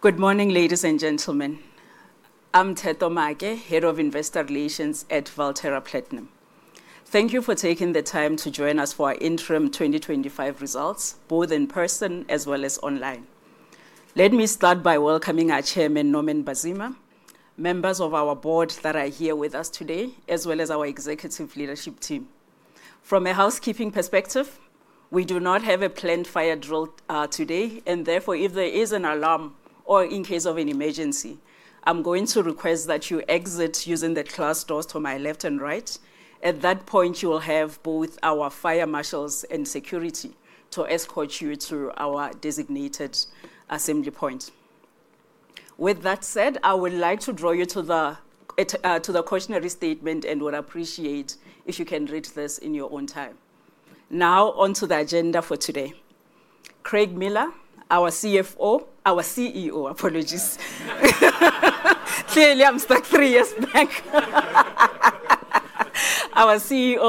Good morning, ladies and gentlemen. I'm Theto Maake, Head of Investor Relations at Valterra Platinum. Thank you for taking the time to join us for our Interim 2025 Results, both in person as well as online. Let me start by welcoming our Chairman, Norman Mbazima, members of our board that are here with us today, as well as our executive leadership team. From a housekeeping perspective, we do not have a planned fire drill today, and therefore, if there is an alarm or in case of an emergency, I'm going to request that you exit using the glass doors to my left and right. At that point, you will have both our fire marshals and security to escort you to our designated assembly point. With that said, I would like to draw you to the cautionary statement and would appreciate if you can read this in your own time. Now, onto the agenda for today. Craig Miller, our CEO, apologies. Clearly, I'm stuck three years back. Our CEO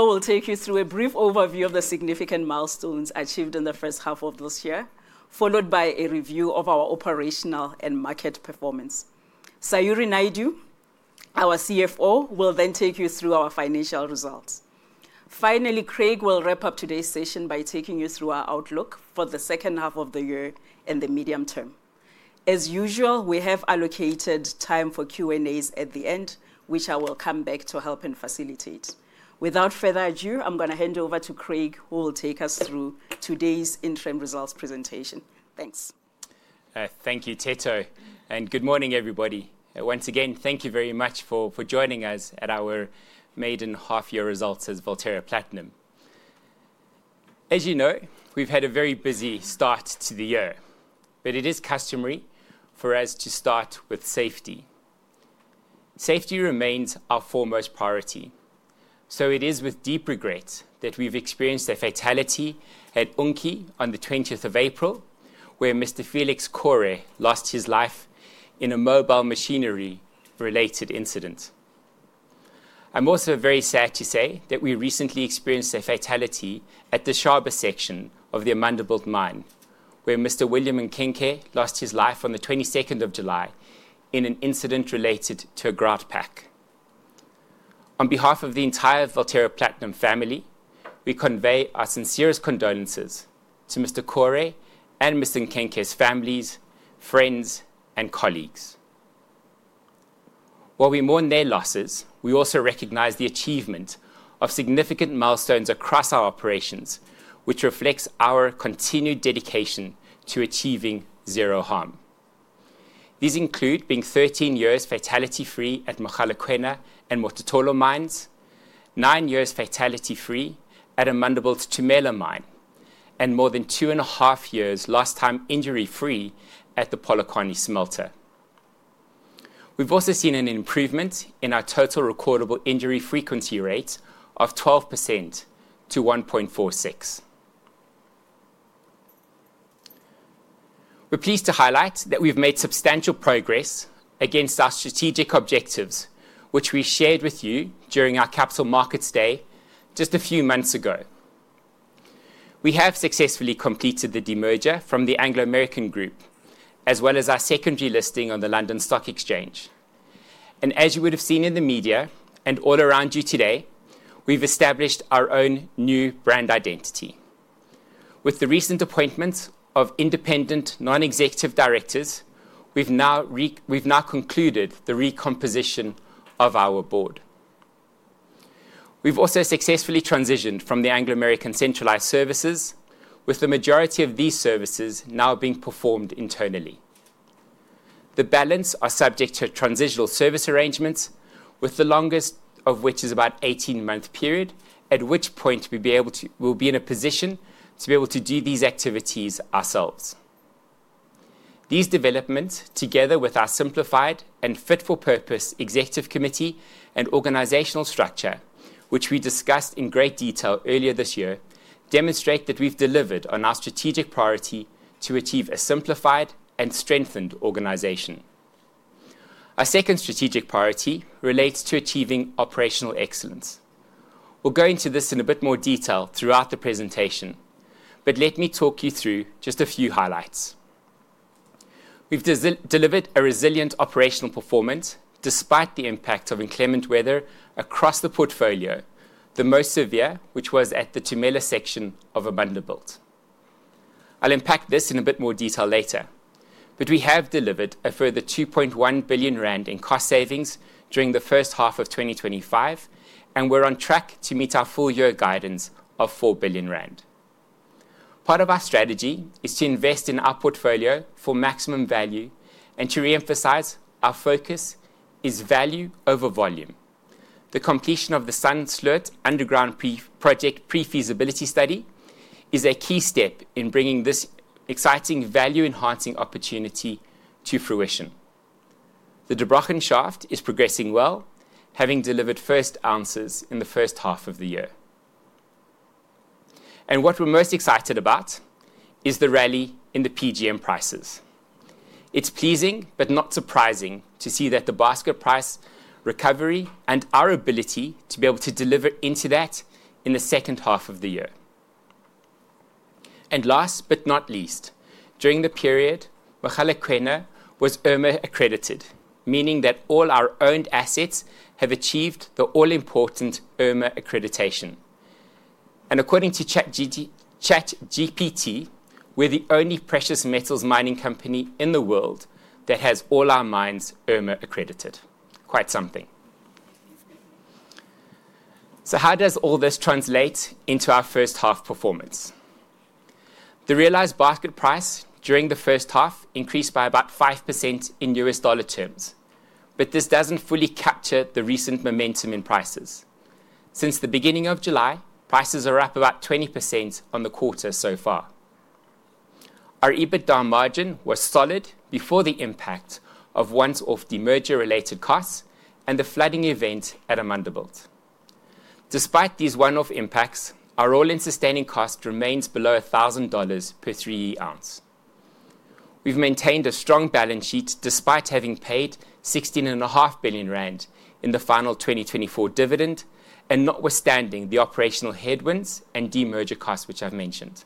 will take you through a brief overview of the significant milestones achieved in the first half of this year, followed by a review of our operational and market performance. Sayurie Naidoo, our CFO, will then take you through our financial results. Finally, Craig will wrap up today's session by taking you through our outlook for the 2nd half of the year and the medium term. As usual, we have allocated time for Q&As at the end, which I will come back to help and facilitate. Without further ado, I'm going to hand over to Craig, who will take us through today's Interim Results presentation. Thanks. Thank you, Theto, and good morning, everybody. Once again, thank you very much for joining us at our maiden half-year results as Valterra Platinum. As you know, we've had a very busy start to the year, but it is customary for us to start with safety. Safety remains our foremost priority, so it is with deep regret that we've experienced a fatality at Unki on the 20th of April, where Mr. Felix Korre lost his life in a mobile machinery-related incident. I'm also very sad to say that we recently experienced a fatality at the shaft section of the Amandelbult mine, where Mr. William Nkengke lost his life on the 22nd of July in an incident related to a Grunt Pack. On behalf of the entire Valterra Platinum family, we convey our sincerest condolences to Mr. Korre and Mr. Nkengke's families, friends, and colleagues. While we mourn their losses, we also recognize the achievement of significant milestones across our operations, which reflects our continued dedication to achieving zero harm. These include being 13 years fatality-free at Mogalakwena and Mototolo mines, nine years fatality-free at Amandelbult's Tumela mine, and more than two and a half years lost-time injury-free at the Polokwane smelter. We've also seen an improvement in our Total Recordable Injury Frequency Rate of 12%-1.46%. We're pleased to highlight that we've made substantial progress against our strategic objectives, which we shared with you during our Capital Markets Day just a few months ago. We have successfully completed the demerger from the Anglo American Group, as well as our secondary listing on the London Stock Exchange. As you would have seen in the media and all around you today, we've established our own new brand identity. With the recent appointment of independent non-executive directors, we've now concluded the recomposition of our board. We've also successfully transitioned from the Anglo American centralized services, with the majority of these services now being performed internally. The balance are subject to transitional service arrangements, with the longest of which is about an 18-month period, at which point we'll be in a position to be able to do these activities ourselves. These developments, together with our simplified and fit-for-purpose executive committee and organizational structure, which we discussed in great detail earlier this year, demonstrate that we've delivered on our strategic priority to achieve a simplified and strengthened organization. Our 2nd strategic priority relates to achieving operational excellence. We'll go into this in a bit more detail throughout the presentation, but let me talk you through just a few highlights. We've delivered a resilient operational performance despite the impact of inclement weather across the portfolio, the most severe, which was at the Tumela section of Amandelbult. I'll unpack this in a bit more detail later, but we have delivered a further 2.1 billion rand in cost savings during the 1st half of 2025, and we're on track to meet our full-year guidance of 4 billion rand. Part of our strategy is to invest in our portfolio for maximum value, and to re-emphasize, our focus is value over volume. The completion of the underground project pre-feasibility study is a key step in bringing this exciting value-enhancing opportunity to fruition. The Der Brochen shaft is progressing well, having delivered first answers in the 1st half of the year. What we're most excited about is the rally in the PGM prices. It's pleasing but not surprising to see that the Basket Price recovery and our ability to be able to deliver into that in the 2nd half of the year. Last but not least, during the period, Kwena was ERMA-accredited, meaning that all our owned assets have achieved the all-important ERMA accreditation. According to ChatGPT, we're the only precious metals mining company in the world that has all our mines ERMA-accredited. Quite something. How does all this translate into our first-half performance? The realized Basket Price during the 1st half increased by about 5% in U.S. dollar terms, but this doesn't fully capture the recent momentum in prices. Since the beginning of July, prices are up about 20% on the quarter so far. Our EBITDA margin was solid before the impact of one-off demerger-related costs and the flooding event at Amandelbult. Despite these one-off impacts, our All-in Sustaining Cost remains below $1,000 per 3E Ounce. We've maintained a strong balance sheet despite having paid 16.5 billion rand in the final 2024 dividend and notwithstanding the operational headwinds and demerger costs which I've mentioned.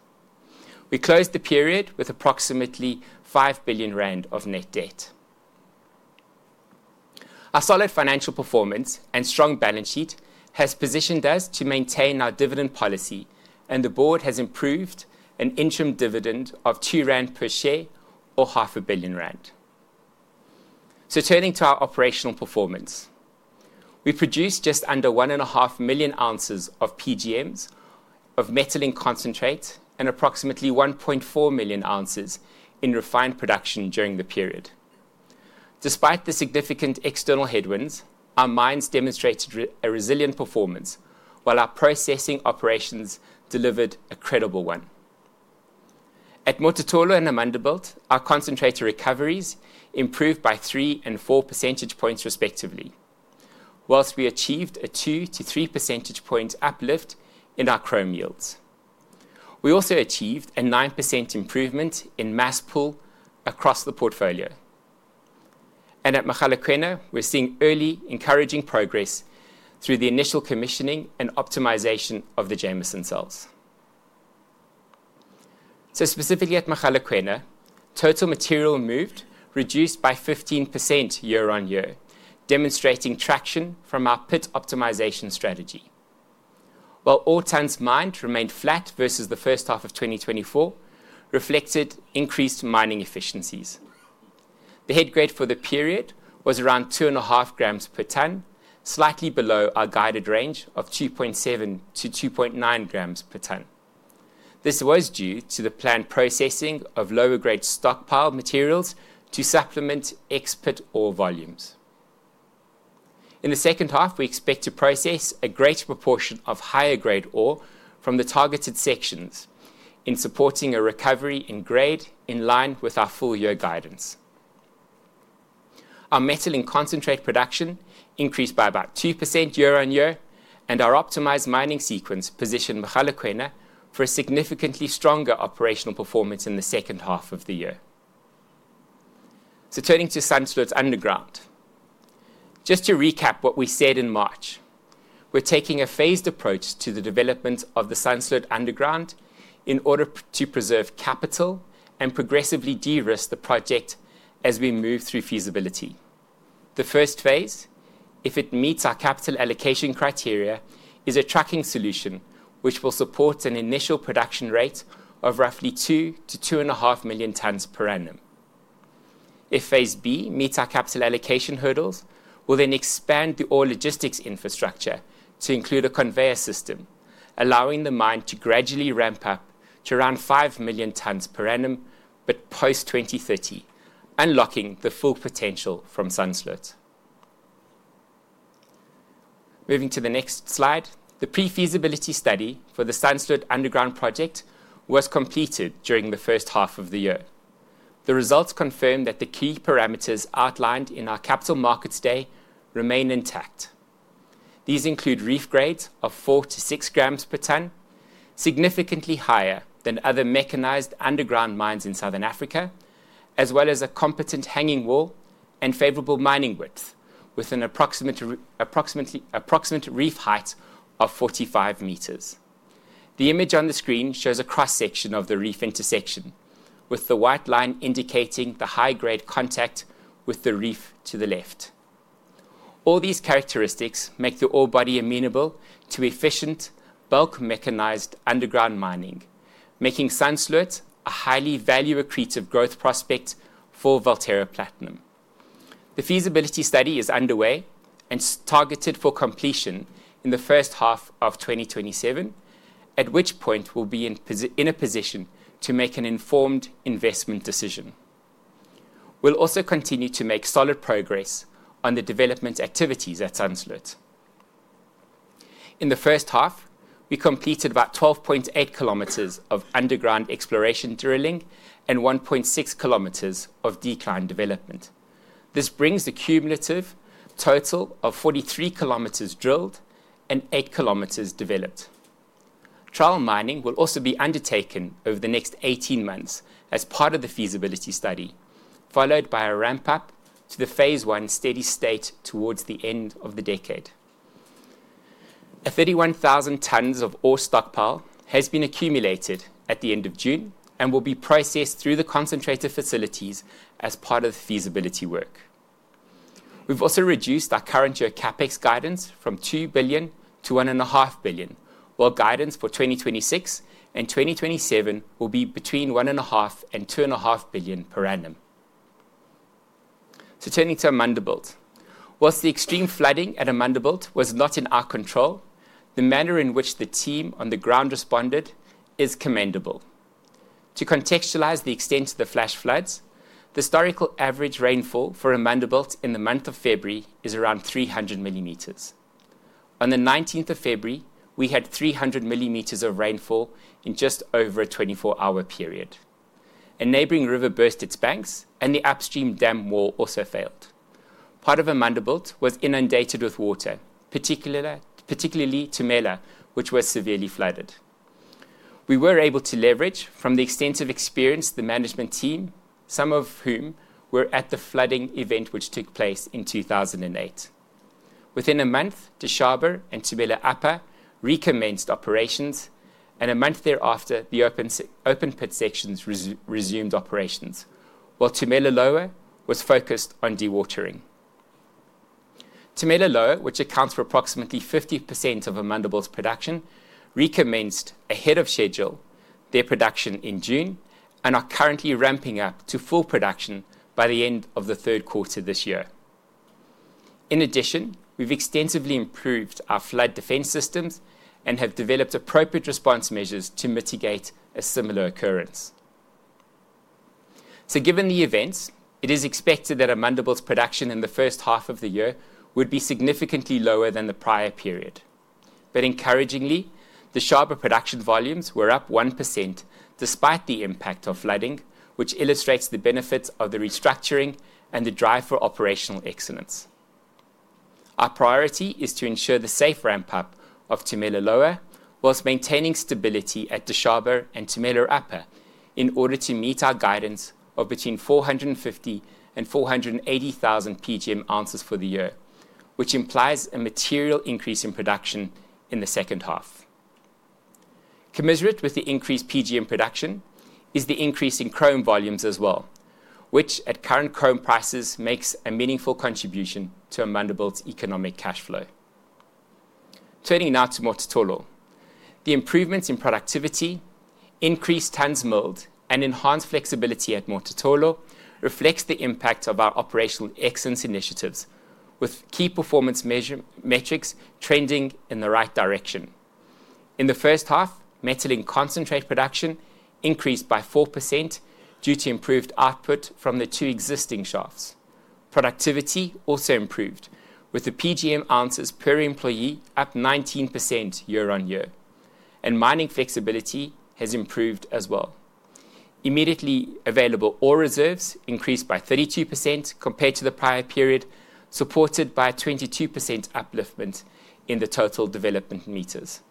We closed the period with approximately 5 billion rand of net debt. Our solid financial performance and strong balance sheet have positioned us to maintain our dividend policy, and the board has approved an interim dividend of 2 rand per share or 500 million rand. Turning to our operational performance, we produced just under 1.5 million ounces of PGMs of Metal-in-Concentrate and approximately 1.4 million ounces in refined production during the period. Despite the significant external headwinds, our mines demonstrated a resilient performance, while our processing operations delivered a credible one. At Mototolo and Amandelbult, our concentrator recoveries improved by 3 and 4 percentage points respectively, whilst we achieved a 2-3 percentage points uplift in our chrome yields. We also achieved a 9% improvement in mass pull across the portfolio. At Mogalakwena, we're seeing early, encouraging progress through the initial commissioning and optimization of the Jameson Cells. Specifically at Mogalakwena, total material moved reduced by 15% year-on-year, demonstrating traction from our pit optimization strategy. While all tons mined remained flat versus the 1st half of 2024, reflected increased mining efficiencies. The head grade for the period was around 2.5 g per ton, slightly below our guided range of 2.7-2.9 g per ton. This was due to the planned processing of lower-grade stockpile materials to supplement ex-pit ore volumes. In the 2nd half, we expect to process a greater proportion of higher-grade ore from the targeted sections in supporting a recovery in grade in line with our full-year guidance. Our Metal-in-Concentrate production increased by about 2% year-on-year, and our optimized mining sequence positioned Mogalakwena for a significantly stronger operational performance in the 2nd half of the year. Turning to Sandsloot Underground. Just to recap what we said in March, we're taking a phased approach to the development of the Sandsloot Underground in order to preserve capital and progressively de-risk the project as we move through feasibility. The 1st phase, if it meets our capital allocation criteria, is a tracking solution which will support an initial production rate of roughly 2-2.5 million tons per annum. If phase B meets our capital allocation hurdles, we'll then expand the ore logistics infrastructure to include a conveyor system, allowing the mine to gradually ramp up to around 5 million tons per annum post-2030, unlocking the full potential from Sandsloot. Moving to the next slide, the pre-feasibility study for the Sandsloot Underground project was completed during the 1st half of the year. The results confirm that the key parameters outlined in our Capital Markets Day remain intact. These include reef grades of 4-6 g per ton, significantly higher than other mechanized underground mines in Southern Africa, as well as a competent hanging wall and favorable mining width with an approximate reef height of 45 m. The image on the screen shows a cross-section of the reef intersection, with the white line indicating the high-grade contact with the reef to the left. All these characteristics make the ore body amenable to efficient bulk mechanized underground mining, making Sandsloot a highly value-accretive growth prospect for Valterra Platinum. The feasibility study is underway and targeted for completion in the 1st half of 2027, at which point we'll be in a position to make an informed investment decision. We'll also continue to make solid progress on the development activities at Sandsloot. In the 1st half, we completed about 12.8 km of underground exploration drilling and 1.6 km of decline development. This brings the cumulative total to 43 km drilled and 8 km developed. Trial mining will also be undertaken over the next 18 months as part of the feasibility study, followed by a ramp-up to the phase one steady state towards the end of the decade. A 31,000 ton ore stockpile has been accumulated at the end of June and will be processed through the concentrator facilities as part of the feasibility work. We've also reduced our current-year CapEx guidance from 2 billion to 1.5 billion, while guidance for 2026 and 2027 will be between 1.5-2.5 billion per annum. Turning to Amandelbult, whilst the extreme flooding at Amandelbult was not in our control, the manner in which the team on the ground responded is commendable. To contextualize the extent of the flash floods, the historical average rainfall for Amandelbult in the month of February is around 300 mm. On the 19th of February, we had 300 mm of rainfall in just over a 24-hour period. A neighboring river burst its banks, and the upstream dam wall also failed. Part of Amandelbult was inundated with water, particularly Tumela, which was severely flooded. We were able to leverage, from the extensive experience, the management team, some of whom were at the flooding event which took place in 2008. Within a month, Dishaba and Tumela Upper recommenced operations, and a month thereafter, the open pit sections resumed operations, while Tumela Lower was focused on dewatering. Tumela Lower, which accounts for approximately 50% of Amandelbult's production, recommenced ahead of schedule their production in June and are currently ramping up to full production by the end of the 3rd quarter this year. In addition, we've extensively improved our flood defense systems and have developed appropriate response measures to mitigate a similar occurrence. Given the events, it is expected that Amandelbult's production in the 1st half of the year would be significantly lower than the prior period. Encouragingly, Dishaba production volumes were up 1% despite the impact of flooding, which illustrates the benefits of the restructuring and the drive for operational excellence. Our priority is to ensure the safe ramp-up of Tumela Lower whilst maintaining stability at Dishaba and Tumela Upper in order to meet our guidance of between 450,000 and 480,000 PGM ounces for the year, which implies a material increase in production in the second half. Commensurate with the increased PGM production is the increase in chrome volumes as well, which at current chrome prices makes a meaningful contribution to Amandelbult's economic cash flow. Turning now to Mototolo, the improvements in productivity, increased tons milled, and enhanced flexibility at Mototolo reflect the impact of our operational excellence initiatives, with key performance metrics trending in the right direction. In the 1st half, Metal-in-Concentrate production increased by 4% due to improved output from the two existing shafts. Productivity also improved, with the PGM ounces per employee up 19% year-on-year, and mining flexibility has improved as well. Immediately available ore reserves increased by 32% compared to the prior period, supported by a 22% upliftment in the total development meters.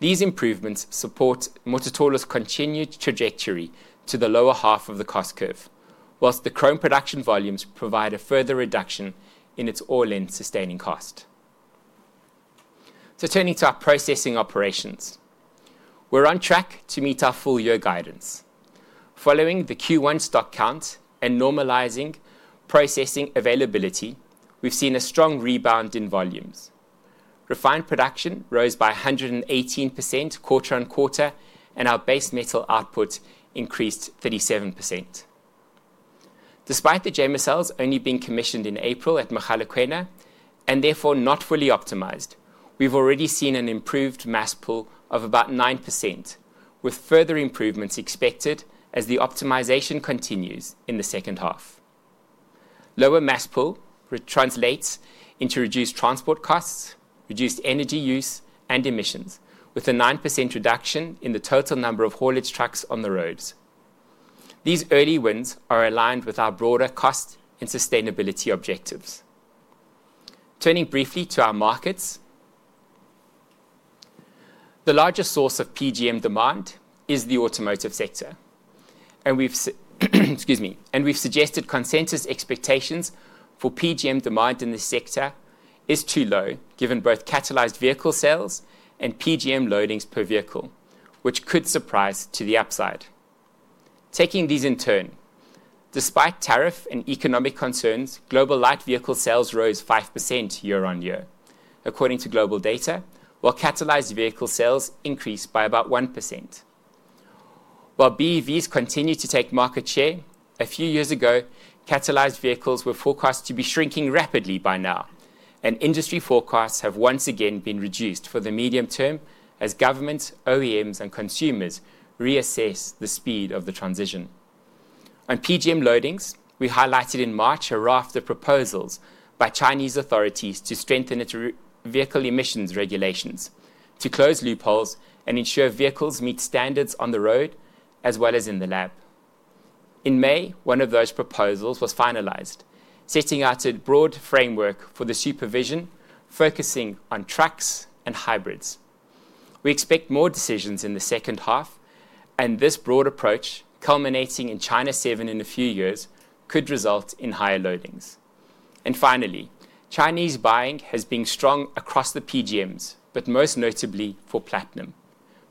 These improvements support Mototolo's continued trajectory to the lower half of the cost curve, whilst the chrome production volumes provide a further reduction in its All-in Sustaining Cost. Turning to our processing operations, we're on track to meet our full-year guidance. Following the Q1 stock count and normalizing processing availability, we've seen a strong rebound in volumes. Refined production rose by 118% quarter-on-quarter, and our base metal output increased 37%. Despite Jameson Cells only being commissioned in April at Mogalakwena and therefore not fully optimized, we've already seen an improved mass pull of about 9%, with further improvements expected as the optimization continues in the 2nd half. Lower mass pull translates into reduced transport costs, reduced energy use, and emissions, with a 9% reduction in the total number of haulage trucks on the roads. These early wins are aligned with our broader cost and sustainability objectives. Turning briefly to our markets. The largest source of PGM demand is the automotive sector. We've suggested consensus expectations for PGM demand in this sector is too low, given both catalyzed vehicle sales and PGM loadings per vehicle, which could surprise to the upside. Taking these in turn, despite tariff and economic concerns, global light vehicle sales rose 5% year-on-year, according to GlobalData, while catalyzed vehicle sales increased by about 1%. While BEVs continue to take market share, a few years ago, catalyzed vehicles were forecast to be shrinking rapidly by now, and industry forecasts have once again been reduced for the medium term as governments, OEMs, and consumers reassess the speed of the transition. On PGM loadings, we highlighted in March a raft of proposals by Chinese authorities to strengthen vehicle emissions regulations, to close loopholes, and ensure vehicles meet standards on the road as well as in the lab. In May, one of those proposals was finalized, setting out a broad framework for the supervision, focusing on trucks and hybrids. We expect more decisions in the 2nd half, and this broad approach, culminating in China 7 in a few years, could result in higher loadings. Finally, Chinese buying has been strong across the PGMs, but most notably for platinum.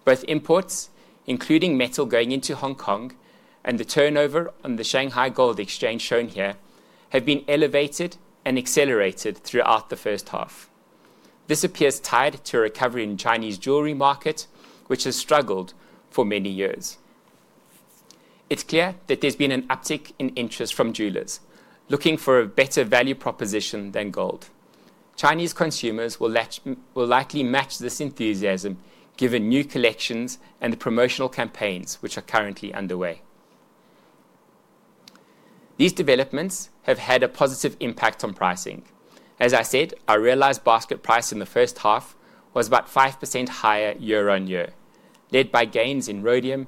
Both imports, including metal going into Hong Kong and the turnover on the Shanghai Gold Exchange shown here, have been elevated and accelerated throughout the 1st half. This appears tied to a recovery in the Chinese jewelry market, which has struggled for many years. It is clear that there has been an uptick in interest from jewelers, looking for a better value proposition than gold. Chinese consumers will likely match this enthusiasm, given new collections and the promotional campaigns which are currently underway. These developments have had a positive impact on pricing. As I said, our realized Basket Price in the 1st half was about 5% higher year-on-year, led by gains in rhodium,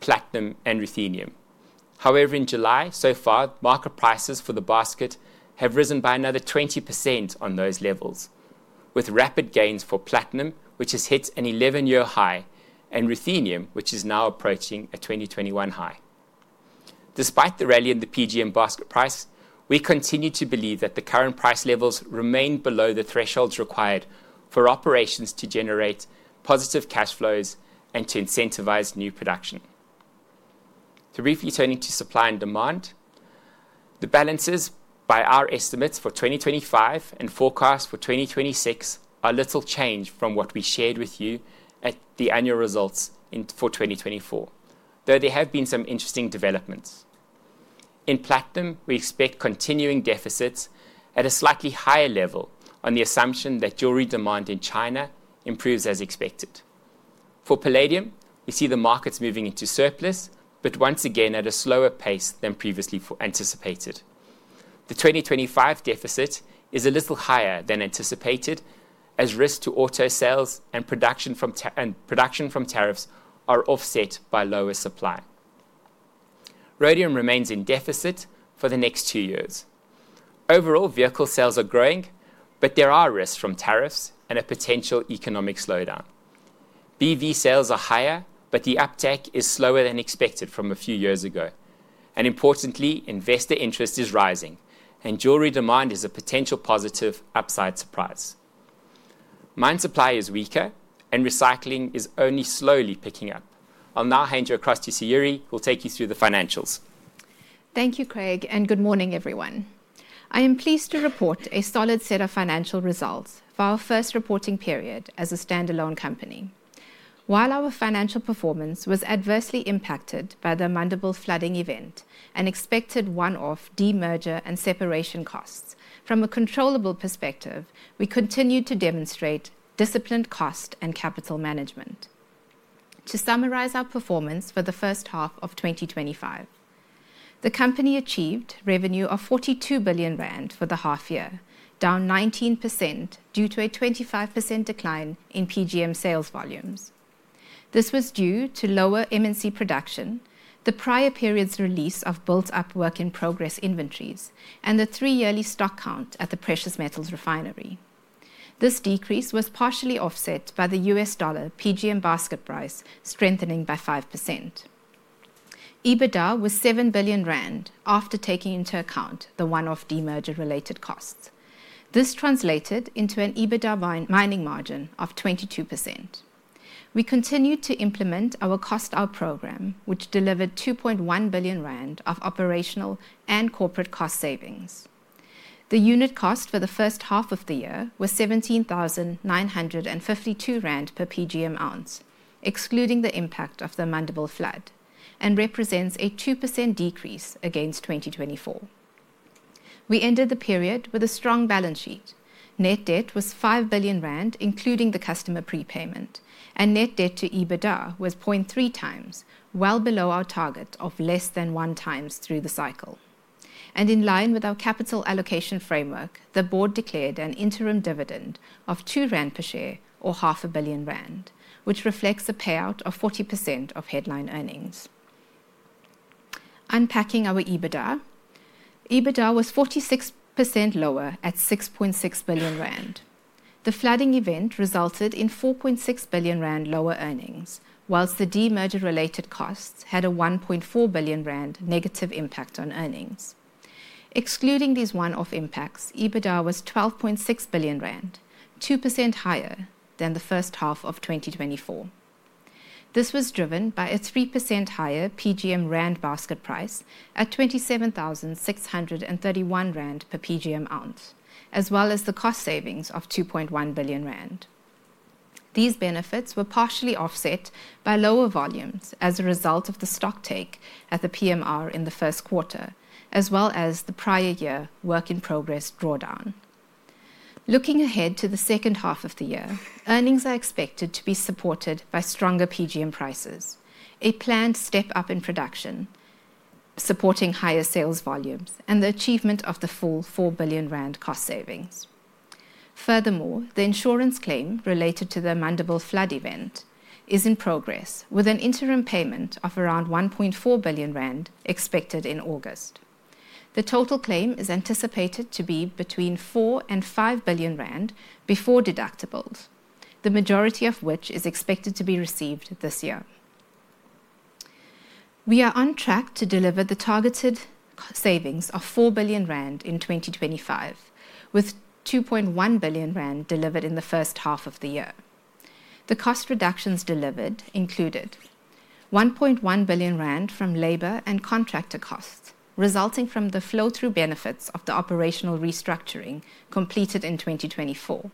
platinum, and ruthenium. However, in July, so far, market prices for the basket have risen by another 20% on those levels, with rapid gains for platinum, which has hit an 11-year high, and ruthenium, which is now approaching a 2021 high. Despite the rally in the PGM Basket Price, we continue to believe that the current price levels remain below the thresholds required for operations to generate positive cash flows and to incentivize new production. To briefly turn into supply and demand. The balances, by our estimates for 2025 and forecast for 2026, are little changed from what we shared with you at the annual results for 2024, though there have been some interesting developments. In platinum, we expect continuing deficits at a slightly higher level on the assumption that jewelry demand in China improves as expected. For palladium, we see the markets moving into surplus, but once again at a slower pace than previously anticipated. The 2025 deficit is a little higher than anticipated, as risk to auto sales and production from tariffs are offset by lower supply. Rhodium remains in deficit for the next two years. Overall, vehicle sales are growing, but there are risks from tariffs and a potential economic slowdown. BEV sales are higher, but the uptake is slower than expected from a few years ago. Importantly, investor interest is rising, and jewelry demand is a potential positive upside surprise. Mine supply is weaker, and recycling is only slowly picking up. I'll now hand you across to Sayurie, who'll take you through the financials. Thank you, Craig, and good morning, everyone. I am pleased to report a solid set of financial results for our first reporting period as a standalone company. While our financial performance was adversely impacted by the Amandelbult flooding event and expected one-off demerger and separation costs, from a controllable perspective, we continue to demonstrate disciplined cost and capital management. To summarize our performance for the 1st half of 2025. The company achieved revenue of 42 billion rand for the half year, down 19% due to a 25% decline in PGM sales volumes. This was due to lower MNC production, the prior period's release of built-up work-in-progress inventories, and the three-yearly stock count at the Precious Metals Refinery. This decrease was partially offset by the U.S. Dollar PGM Basket Price strengthening by 5%. EBITDA was 7 billion rand after taking into account the one-off demerger-related costs. This translated into an EBITDA mining margin of 22%. We continued to implement our cost-out program, which delivered 2.1 billion rand of operational and corporate cost savings. The unit cost for the 1st half of the year was 17,952 rand per PGM ounce, excluding the impact of the Amandelbult flood, and represents a 2% decrease against 2024. We ended the period with a strong balance sheet. Net debt was 5 billion rand, including the customer prepayment, and net debt to EBITDA was 0.3 times, well below our target of less than one times through the cycle. In line with our capital allocation framework, the board declared an interim dividend of 2 rand per share, or 500 million rand, which reflects a payout of 40% of headline earnings. Unpacking our EBITDA, EBITDA was 46% lower at 6.6 billion rand. The flooding event resulted in 4.6 billion rand lower earnings, whilst the demerger-related costs had a 1.4 billion rand negative impact on earnings. Excluding these one-off impacts, EBITDA was 12.6 billion rand, 2% higher than the 1st half of 2024. This was driven by a 3% higher PGM rand Basket Price at 27,631 rand per PGM ounce, as well as the cost savings of 2.1 billion rand. These benefits were partially offset by lower volumes as a result of the stock take at the PMR in the 1st quarter, as well as the prior year work-in-progress drawdown. Looking ahead to the 2nd half of the year, earnings are expected to be supported by stronger PGM prices, a planned step up in production, supporting higher sales volumes, and the achievement of the full 4 billion rand cost savings. Furthermore, the insurance claim related to the Amandelbult flood event is in progress, with an interim payment of around 1.4 billion rand expected in August. The total claim is anticipated to be between 4 billion and 5 billion rand before deductibles, the majority of which is expected to be received this year. We are on track to deliver the targeted savings of 4 billion rand in 2025, with 2.1 billion rand delivered in the 1st half of the year. The cost reductions delivered included 1.1 billion rand from labor and contractor costs resulting from the flow-through benefits of the operational restructuring completed in 2024,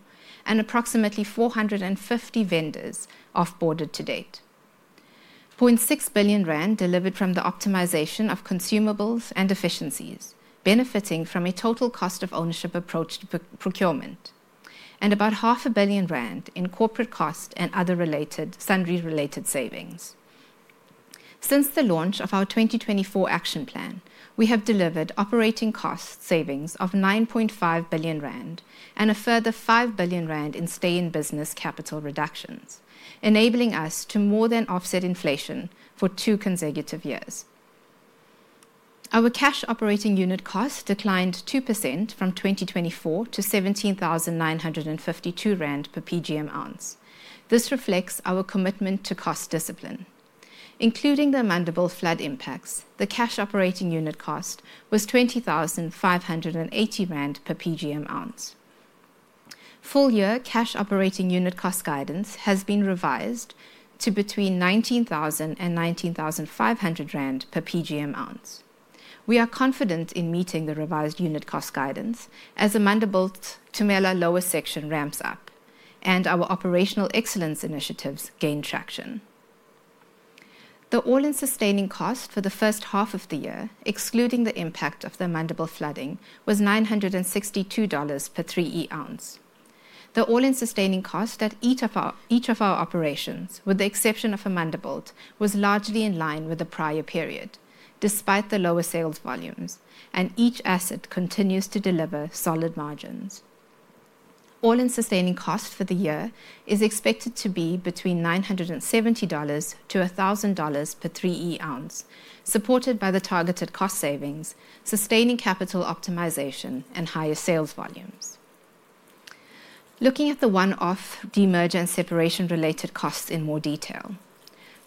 and approximately 450 vendors off-boarded to date. 0.6 billion rand delivered from the optimization of consumables and efficiencies, benefiting from a total cost of ownership approached procurement, and about 500 million rand in corporate cost and other related sundry related savings. Since the launch of our 2024 action plan, we have delivered operating cost savings of 9.5 billion rand and a further 5 billion rand in stay-in-business capital reductions, enabling us to more than offset inflation for two consecutive years. Our cash operating unit cost declined 2% from 2024 to 17,952 rand per PGM ounce. This reflects our commitment to cost discipline. Including the Amandelbult flood impacts, the cash operating unit cost was 20,580 rand per PGM ounce. Full-year cash operating unit cost guidance has been revised to between 19,000 and 19,500 rand per PGM ounce. We are confident in meeting the revised unit cost guidance as Amandelbult's Tumela lower section ramps up and our operational excellence initiatives gain traction. The All-in Sustaining Cost for the 1st half of the year, excluding the impact of the Amandelbult flooding, was $962 per 3E Ounce. The All-in Sustaining Cost at each of our operations, with the exception of Amandelbult, was largely in line with the prior period, despite the lower sales volumes, and each asset continues to deliver solid margins. All-in Sustaining Cost for the year is expected to be between $970-$1,000 per 3E Ounce, supported by the targeted cost savings, sustaining capital optimization, and higher sales volumes. Looking at the one-off demerger and separation-related costs in more detail,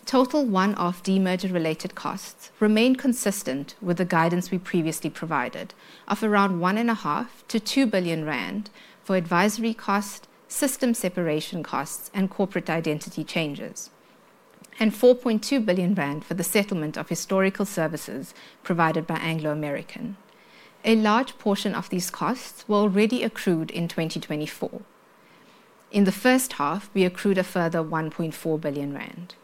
total one-off demerger-related costs remain consistent with the guidance we previously provided of around 1.5 billion-2 billion rand for advisory costs, system separation costs, and corporate identity changes. 4.2 billion rand for the settlement of historical services provided by Anglo American. A large portion of these costs were already accrued in 2024. In the 1st half, we accrued a further 1.4 billion rand.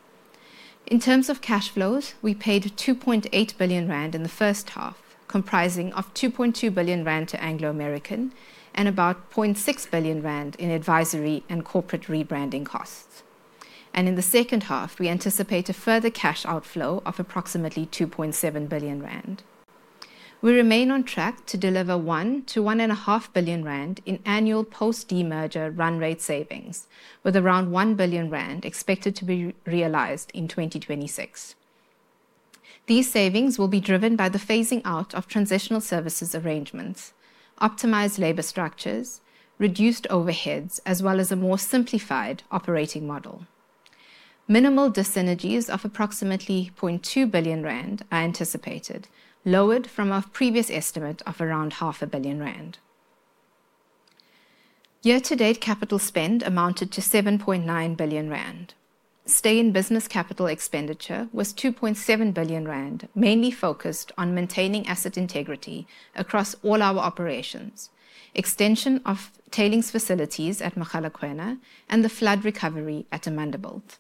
In terms of cash flows, we paid 2.8 billion rand in the 1st half, comprising 2.2 billion rand to Anglo American and about 0.6 billion rand in advisory and corporate rebranding costs. In the 2nd half, we anticipate a further cash outflow of approximately 2.7 billion rand. We remain on track to deliver 1 billion-1.5 billion rand in annual post-demerger run rate savings, with around 1 billion rand expected to be realized in 2026. These savings will be driven by the phasing out of transitional service arrangements, optimized labor structures, reduced overheads, as well as a more simplified operating model. Minimal dyssynergies of approximately 0.2 billion rand are anticipated, lowered from our previous estimate of around 500 million rand. Year-to-date capital spend amounted to 7.9 billion rand. Stay-in-business capital expenditure was 2.7 billion rand, mainly focused on maintaining asset integrity across all our operations, extension of tailings facilities at Mogalakwena, and the flood recovery at Amandelbult.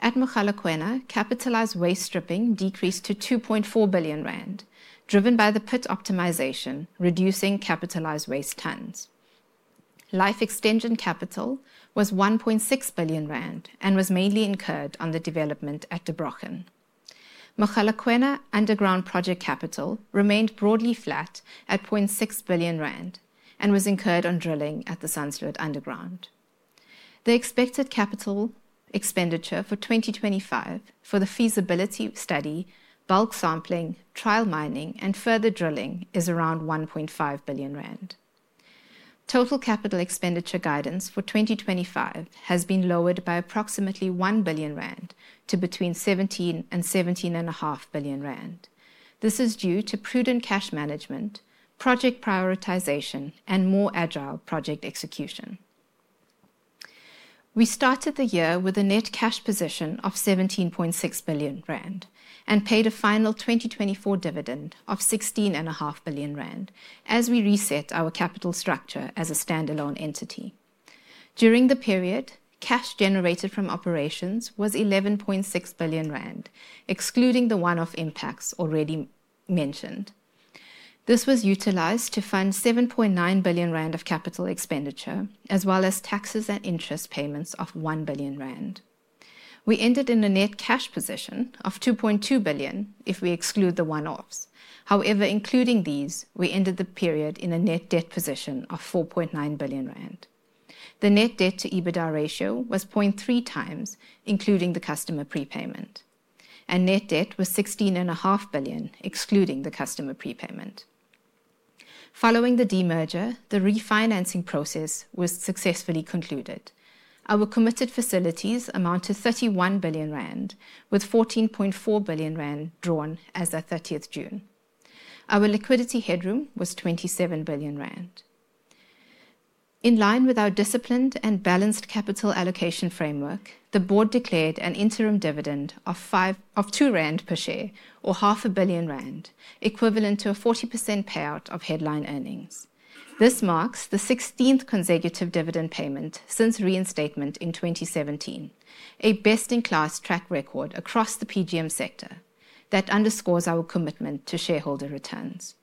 At Mogalakwena, capitalized waste stripping decreased to 2.4 billion rand, driven by the pit optimization, reducing capitalized waste tons. Life extension capital was 1.6 billion rand and was mainly incurred on the development at Der Brochen. Mogalakwena underground project capital remained broadly flat at 0.6 billion rand and was incurred on drilling at the Sandsloot Underground. The expected capital expenditure for 2025 for the feasibility study, bulk sampling, trial mining, and further drilling is around 1.5 billion rand. Total capital expenditure guidance for 2025 has been lowered by approximately 1 billion rand to between 17 billion rand and 17.5 billion rand. This is due to prudent cash management, project prioritization, and more agile project execution. We started the year with a net cash position of 17.6 billion rand and paid a final 2024 dividend of 16.5 billion rand as we reset our capital structure as a standalone entity. During the period, cash generated from operations was 11.6 billion rand, excluding the one-off impacts already mentioned. This was utilized to fund 7.9 billion rand of capital expenditure, as well as taxes and interest payments of 1 billion rand. We ended in a net cash position of 2.2 billion if we exclude the one-offs. However, including these, we ended the period in a net debt position of 4.9 billion rand. The net debt to EBITDA ratio was 0.3 times, including the customer prepayment, and net debt was 16.5 billion, excluding the customer prepayment. Following the demerger, the refinancing process was successfully concluded. Our committed facilities amount to 31 billion rand, with 14.4 billion rand drawn as of 30th June. Our liquidity headroom was 27 billion rand. In line with our disciplined and balanced capital allocation framework, the board declared an interim dividend of 2 rand per share, or 500 million rand, equivalent to a 40% payout of headline earnings. This marks the 16th consecutive dividend payment since reinstatement in 2017, a best-in-class track record across the PGM sector that underscores our commitment to shareholder returns.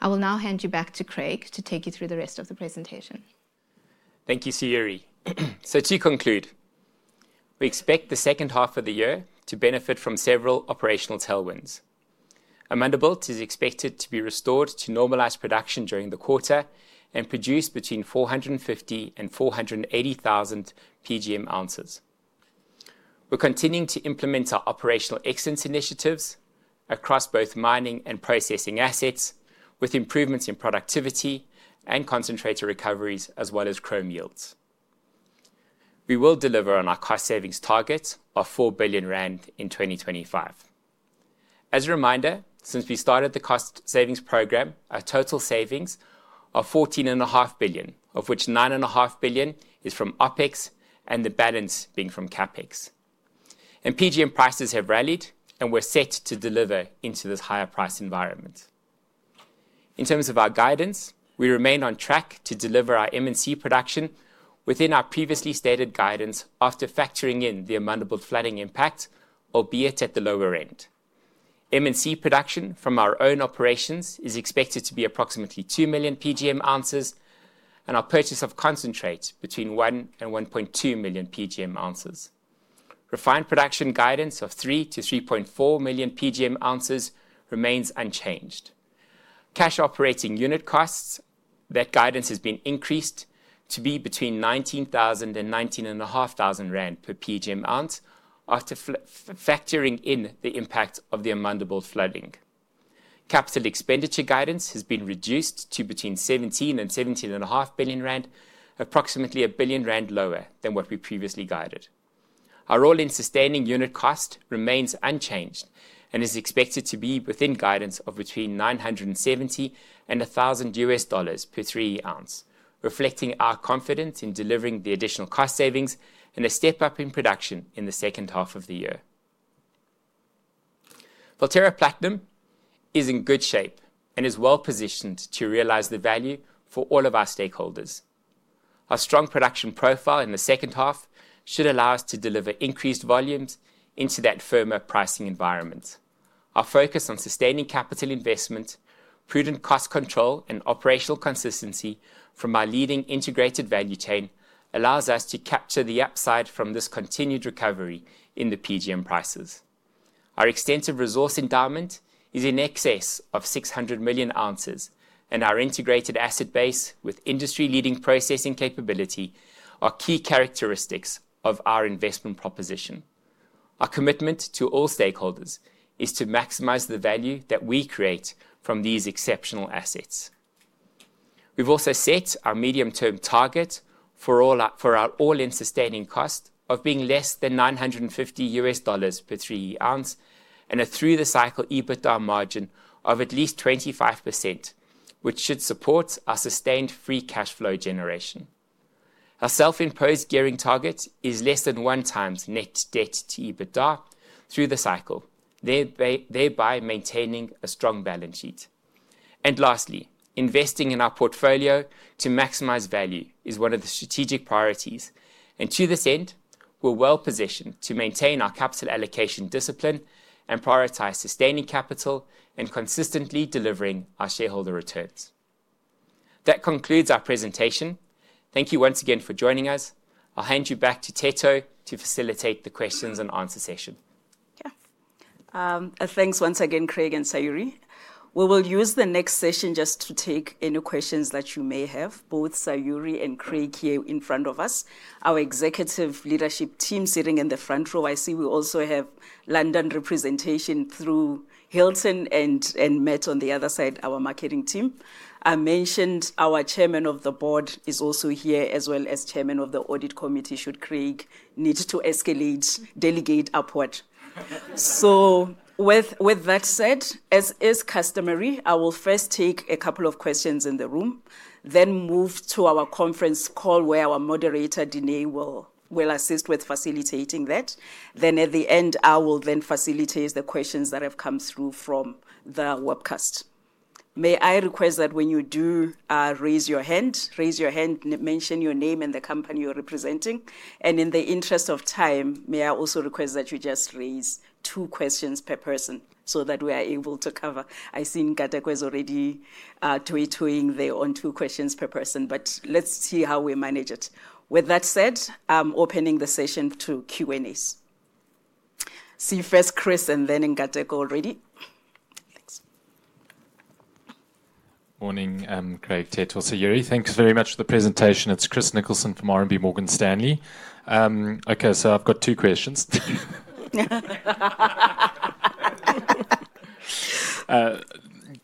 I will now hand you back to Craig to take you through the rest of the presentation. Thank you, Sayurie. To conclude, we expect the 2nd half of the year to benefit from several operational tailwinds. Amandelbult is expected to be restored to normalized production during the quarter and produce between 450,000-480,000 PGM ounces. We are continuing to implement our operational excellence initiatives across both mining and processing assets, with improvements in productivity and concentrator recoveries, as well as chrome yields. We will deliver on our cost savings target of 4 billion rand in 2025. As a reminder, since we started the cost savings program, our total savings are 14.5 billion, of which 9.5 billion is from OpEx and the balance being from CapEx. PGM prices have rallied, and we are set to deliver into this higher price environment. In terms of our guidance, we remain on track to deliver our MNC production within our previously stated guidance after factoring in the Amandelbult flooding impact, albeit at the lower end. MNC production from our own operations is expected to be approximately 2 million PGM ounces, and our purchase of concentrates between 1-1.2 million PGM ounces. Refined production guidance of 3-3.4 million PGM ounces remains unchanged. Cash operating unit costs, that guidance has been increased to be between 19,000-19,500 rand per PGM ounce after factoring in the impact of the Amandelbult flooding. Capital expenditure guidance has been reduced to between 17-17.5 billion rand, approximately 1 billion rand lower than what we previously guided. Our all-in sustaining unit cost remains unchanged and is expected to be within guidance of between $970-$1,000 per 3E Ounce, reflecting our confidence in delivering the additional cost savings and a step up in production in the 2nd half of the year. Valterra Platinum is in good shape and is well positioned to realize the value for all of our stakeholders. Our strong production profile in the second half should allow us to deliver increased volumes into that firmer pricing environment. Our focus on sustaining capital investment, prudent cost control, and operational consistency from our leading integrated value chain allows us to capture the upside from this continued recovery in the PGM prices. Our extensive resource endowment is in excess of 600 million ounces, and our integrated asset base with industry-leading processing capability are key characteristics of our investment proposition. Our commitment to all stakeholders is to maximize the value that we create from these exceptional assets. We've also set our medium-term target for our All-in Sustaining Cost of being less than $950 per 3E Ounce and a through-the-cycle EBITDA margin of at least 25%, which should support our sustained free cash flow generation. Our self-imposed gearing target is less than one times net debt to EBITDA through the cycle, thereby maintaining a strong balance sheet. Lastly, investing in our portfolio to maximize value is one of the strategic priorities, and to this end, we're well positioned to maintain our capital allocation discipline and prioritize sustaining capital and consistently delivering our shareholder returns. That concludes our presentation. Thank you once again for joining us. I'll hand you back to Theto to facilitate the questions and answer session. Yeah. Thanks once again, Craig and Sayurie. We will use the next session just to take any questions that you may have. Both Sayurie and Craig here in front of us. Our executive leadership team sitting in the front row, I see we also have London representation through Hilton and Matt on the other side, our marketing team. I mentioned our Chairman of the Board is also here, as well as Chairman of the Audit Committee, should Craig need to escalate, delegate upward. With that said, as is customary, I will first take a couple of questions in the room, then move to our conference call where our moderator, Dine, will assist with facilitating that. At the end, I will then facilitate the questions that have come through from the webcast. May I request that when you do raise your hand, mention your name and the company you're representing? In the interest of time, may I also request that you just raise two questions per person so that we are able to cover? I see Nkateko was already tweeting there on two questions per person, but let's see how we manage it. With that said, I'm opening the session to Q&As. See first Chris and then Nkateko already. Thanks. Morning, Craig, Theto, Sayurie. Thanks very much for the presentation. It's Chris Nicholson from Morgan Stanley. Okay, so I've got two questions.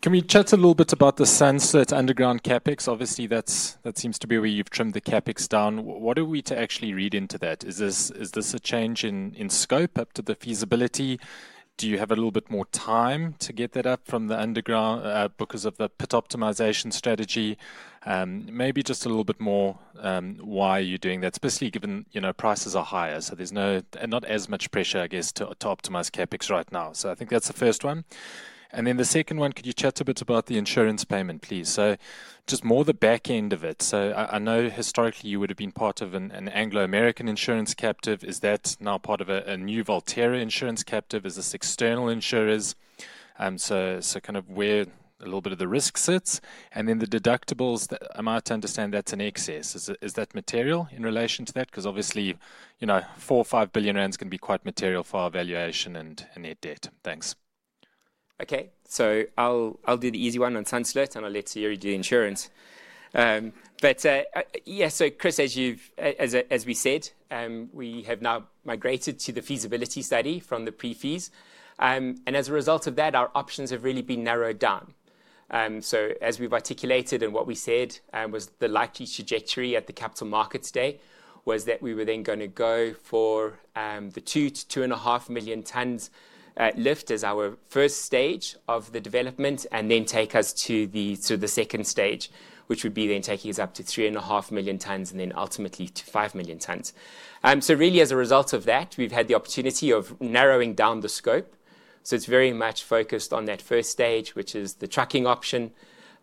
Can we chat a little bit about the Sandsloot Underground CapEx? Obviously, that seems to be where you've trimmed the CapEx down. What are we to actually read into that? Is this a change in scope up to the feasibility? Do you have a little bit more time to get that up from the underground because of the pit optimization strategy? Maybe just a little bit more. Why are you doing that? Especially given prices are higher, so there's not as much pressure, I guess, to optimize CapEx right now. I think that's the 1st one. The second one, could you chat a bit about the insurance payment, please? Just more the back end of it. I know historically you would have been part of an Anglo American insurance captive. Is that now part of a new Valterra insurance captive? Is this external insurers? Kind of where a little bit of the risk sits. The deductibles, I might understand that's an excess. Is that material in relation to that? Because obviously 4 billion-5 billion rand is going to be quite material for our valuation and net debt. Thanks. Okay, I'll do the easy one on Sandsloot and I'll let Sayurie do the insurance. Yeah, Chris, as we said, we have now migrated to the feasibility study from the pre-feas. As a result of that, our options have really been narrowed down. As we've articulated and what we said was the likely trajectory at the capital markets day was that we were then going to go for the 2-2.5 million tons lift as our first stage of the development and then take us to the 2nd stage, which would be then taking us up to 3.5 million tons and then ultimately to 5 million tons. As a result of that, we've had the opportunity of narrowing down the scope. It's very much focused on that first stage, which is the trucking option.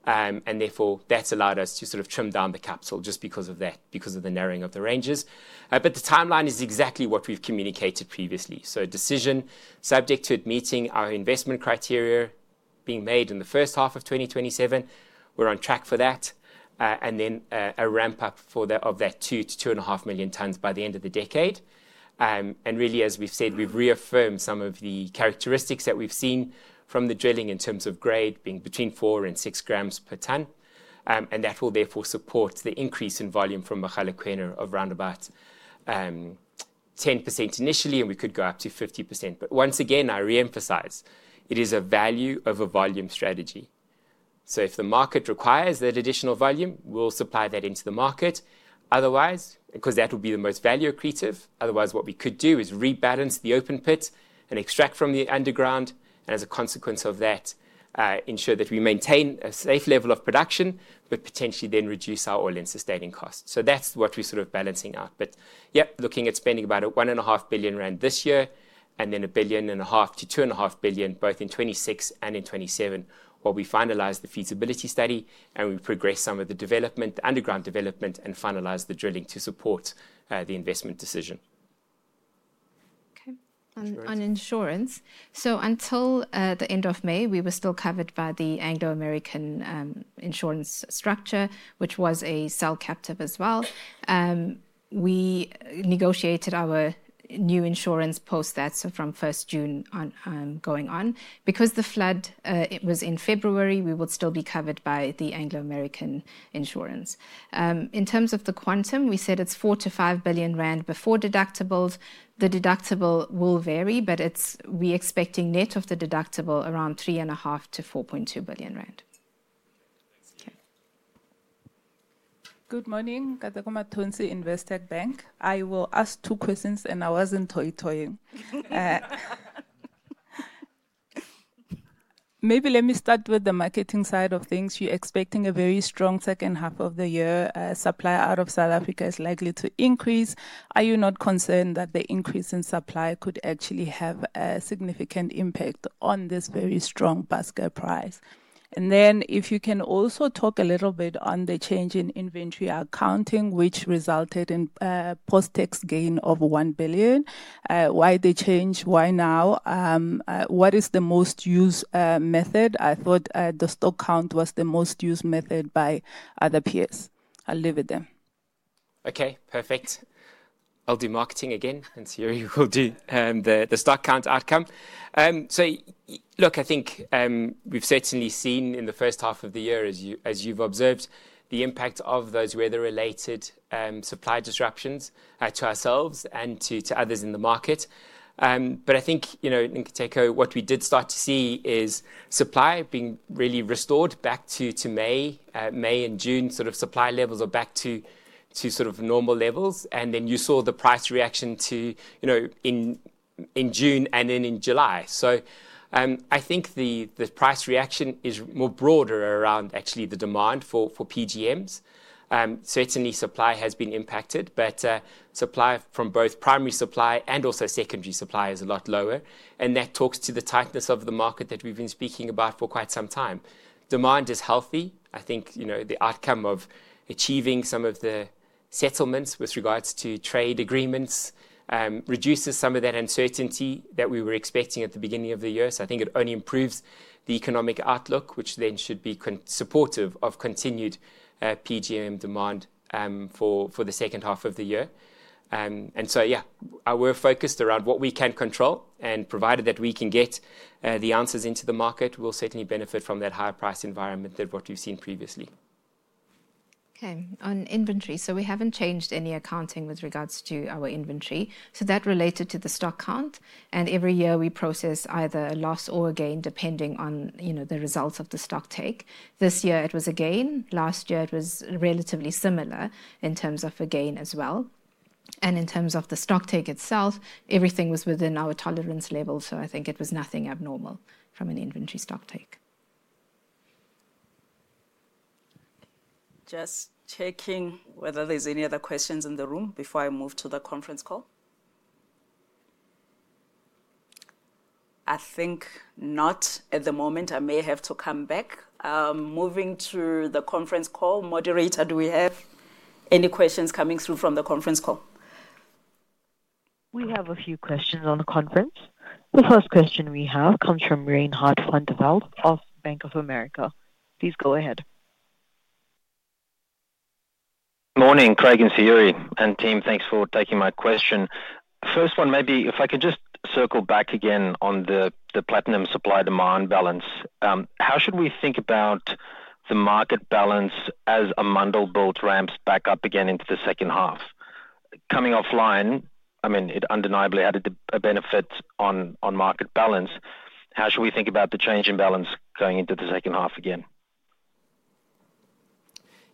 Therefore, that's allowed us to sort of trim down the CapEx just because of that, because of the narrowing of the ranges. The timeline is exactly what we've communicated previously. A decision, subject to it meeting our investment criteria, being made in the 1st half of 2027. We're on track for that. Then a ramp up of that 2-2.5 million tons by the end of the decade. As we've said, we've reaffirmed some of the characteristics that we've seen from the drilling in terms of grade being between 4-6 g per ton. That will therefore support the increase in volume from Mogalakwena of around about 10% initially, and we could go up to 50%. Once again, I reemphasize, it is a value over volume strategy. If the market requires that additional volume, we'll supply that into the market. Otherwise, because that would be the most value accretive, otherwise what we could do is rebalance the open pit and extract from the underground. As a consequence of that, ensure that we maintain a safe level of production, but potentially then reduce our All-in Sustaining Costs. That's what we're sort of balancing out. Yep, looking at spending about 1.5 billion rand this year and then 1.5 billion-2.5 billion both in 2026 and in 2027, while we finalize the feasibility study and we progress some of the development, the underground development, and finalize the drilling to support the investment decision. Okay. On insurance. Until the end of May, we were still covered by the Anglo American. Insurance structure, which was a cell captive as well. We negotiated our new insurance post that from 1 June ongoing. Because the flood, it was in February, we would still be covered by the Anglo American insurance. In terms of the quantum, we said it's 4 billion-5 billion rand before deductibles. The deductible will vary, but we're expecting net of the deductible around 3.5 billion-4.2 billion rand. Good morning, Nkateko Mathonsi, Investec Bank. I will ask two questions and I wasn't toy-toying. Maybe let me start with the marketing side of things. You're expecting a very strong 2nd half of the year. Supply out of South Africa is likely to increase. Are you not concerned that the increase in supply could actually have a significant impact on this very strong Basket Price? If you can also talk a little bit on the change in inventory accounting, which resulted in post-tax gain of 1 billion. Why the change? Why now? What is the most used method? I thought the stock count was the most used method by other peers. I'll leave it there. Okay, perfect. I'll do marketing again and Sayurie will do the stock count outcome. Look, I think we've certainly seen in the 1st half of the year, as you've observed, the impact of those weather-related supply disruptions to ourselves and to others in the market. I think in Kathakuma, what we did start to see is supply being really restored back to May and June. Sort of supply levels are back to sort of normal levels. You saw the price reaction too in June and then in July. I think the price reaction is more broader around actually the demand for PGMs. Certainly, supply has been impacted, but supply from both primary supply and also secondary supply is a lot lower. That talks to the tightness of the market that we've been speaking about for quite some time. Demand is healthy. I think the outcome of achieving some of the settlements with regards to trade agreements reduces some of that uncertainty that we were expecting at the beginning of the year. I think it only improves the economic outlook, which then should be supportive of continued PGM demand for the 2nd half of the year. Yeah, we're focused around what we can control. Provided that we can get the answers into the market, we'll certainly benefit from that higher price environment than what we've seen previously. Okay, on inventory. We haven't changed any accounting with regards to our inventory. That related to the stock count. Every year we process either a loss or a gain depending on the results of the stock take. This year it was a gain. Last year it was relatively similar in terms of a gain as well. In terms of the stock take itself, everything was within our tolerance level. I think it was nothing abnormal from an inventory stock take. Just checking whether there's any other questions in the room before I move to the conference call. I think not at the moment. I may have to come back. Moving to the conference call, moderator, do we have any questions coming through from the conference call? We have a few questions on the conference. The 1st question we have comes from Reinhardt van der Walt of Bank of America. Please go ahead. Good morning, Craig and Sayurie and team. Thanks for taking my question. 1st one, maybe if I could just circle back again on the platinum supply demand balance. How should we think about the market balance as Amandelbult ramps back up again into the 2nd half? Coming offline, I mean, it undeniably had a benefit on market balance. How should we think about the change in balance going into the 2nd half again?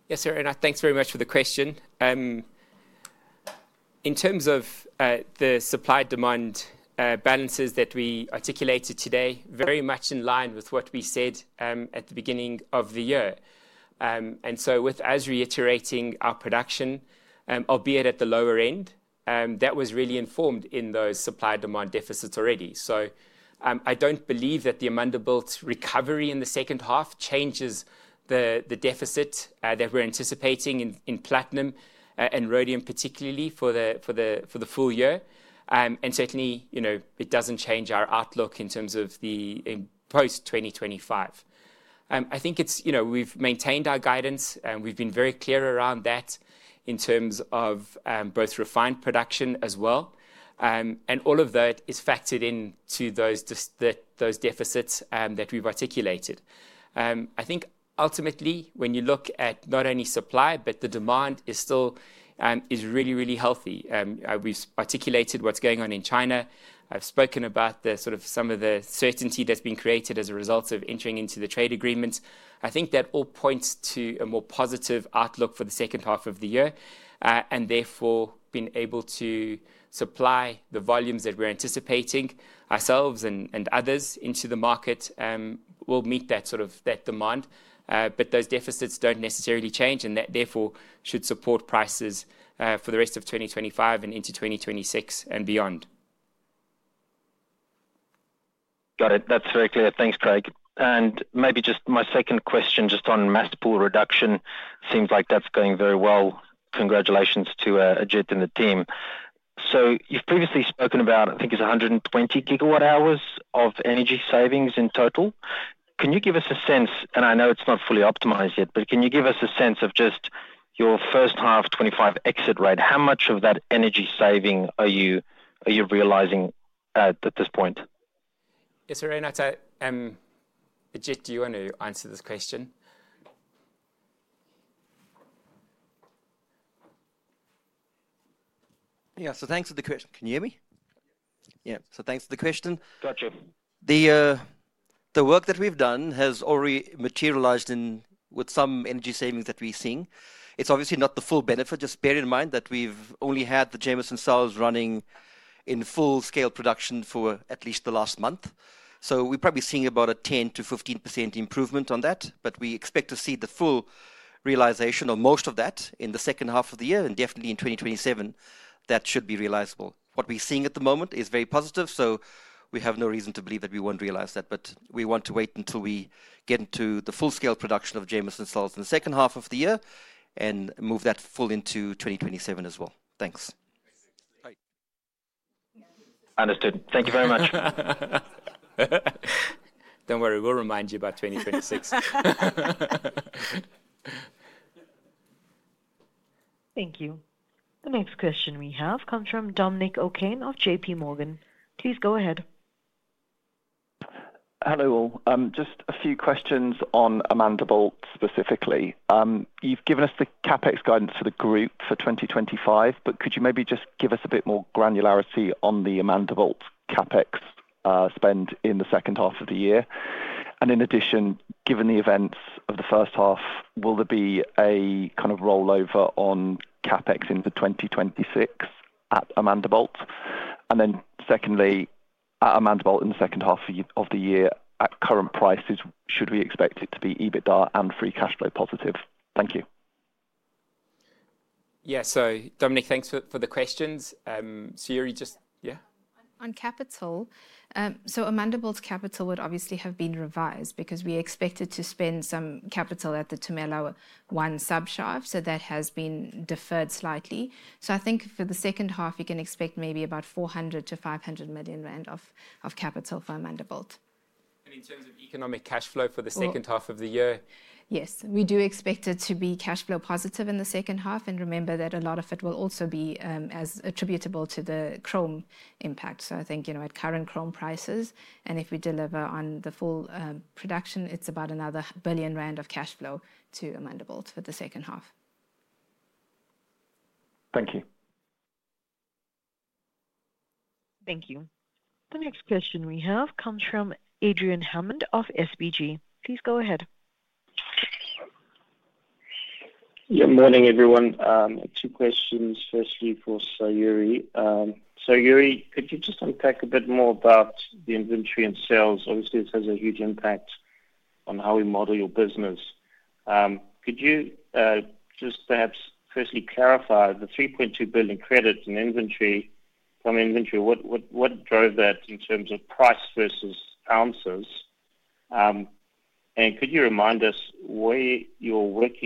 Yes, sir. Thanks very much for the question. In terms of the supply demand balances that we articulated today, very much in line with what we said at the beginning of the year. With us reiterating our production, albeit at the lower end, that was really informed in those supply demand deficits already. I don't believe that the Amandelbult recovery in the second half changes the deficit that we're anticipating in platinum and rhodium particularly for the full year. It doesn't change our outlook in terms of the post 2025. I think we've maintained our guidance and we've been very clear around that in terms of both refined production as well. All of that is factored into those deficits that we've articulated. I think ultimately, when you look at not only supply, but the demand is still really, really healthy. We've articulated what's going on in China. I've spoken about the sort of some of the certainty that's been created as a result of entering into the trade agreements. I think that all points to a more positive outlook for the 2nd half of the year. Therefore being able to supply the volumes that we're anticipating ourselves and others into the market will meet that sort of demand. Those deficits don't necessarily change and that therefore should support prices for the rest of 2025 and into 2026 and beyond. Got it. That's very clear. Thanks, Craig. Maybe just my 2nd question just on mass pull reduction. Seems like that's going very well. Congratulations to Agit and the team. You've previously spoken about, I think it's 120 GW hours of energy savings in total. Can you give us a sense, and I know it's not fully optimized yet, but can you give us a sense of just your 1st half 2025 exit rate? How much of that energy saving are you realizing at this point? Yes, sir. I'd say, Agit, do you want to answer this question? Yeah. Thanks for the question. Can you hear me? Yeah. Thanks for the question. Gotcha. The work that we've done has already materialized with some energy savings that we're seeing. It's obviously not the full benefit. Just bear in mind that we've only had the Jameson Cells running in full scale production for at least the last month. We're probably seeing about a 10%-15% improvement on that. We expect to see the full realization of most of that in the 2nd half of the year and definitely in 2027, that should be realizable. What we're seeing at the moment is very positive. We have no reason to believe that we won't realize that. We want to wait until we get into the full scale production of Jameson Cells in the 2nd half of the year and move that full into 2027 as well. Thanks. Understood. Thank you very much. Don't worry, we'll remind you about 2026. Thank you. The next question we have comes from Dominic O'Kane of J.P. Morgan. Please go ahead. Hello all. Just a few questions on Amandelbult specifically. You've given us the CapEx guidance for the group for 2025, but could you maybe just give us a bit more granularity on the Amandelbult CapEx spend in the 2nd half of the year? In addition, given the events of the 1st half, will there be a kind of rollover on CapEx into 2026 at Amandelbult? Secondly, at Amandelbult in the second half of the year, at current prices, should we expect it to be EBITDA and free cash flow positive? Thank you. Yeah. Dominic, thanks for the questions. Sayurie, just yeah. On capital. Amandelbult's capital would obviously have been revised because we expected to spend some capital at the Tumela One sub shaft. That has been deferred slightly. For the 2nd half, you can expect maybe about 400 million-500 million rand of capital for Amandelbult. In terms of economic cash flow for the second half of the year, yes, we do expect it to be cash flow positive in the 2nd half. Remember that a lot of it will also be attributable to the chrome impact. At current chrome prices, and if we deliver on the full production, it's about another 1 billion rand of cash flow to Amandelbult for the 2nd half. Thank you. Thank you. The next question we have comes from Adrian Hammond of SBG. Please go ahead. Good morning, everyone. Two questions, firstly for Sayurie. Sayurie, could you just unpack a bit more about the inventory and sales? Obviously, it has a huge impact on how we model your business. Could you just perhaps firstly clarify the 3.2 billion credit in inventory? What drove that in terms of price versus ounces? Could you remind us where your. Work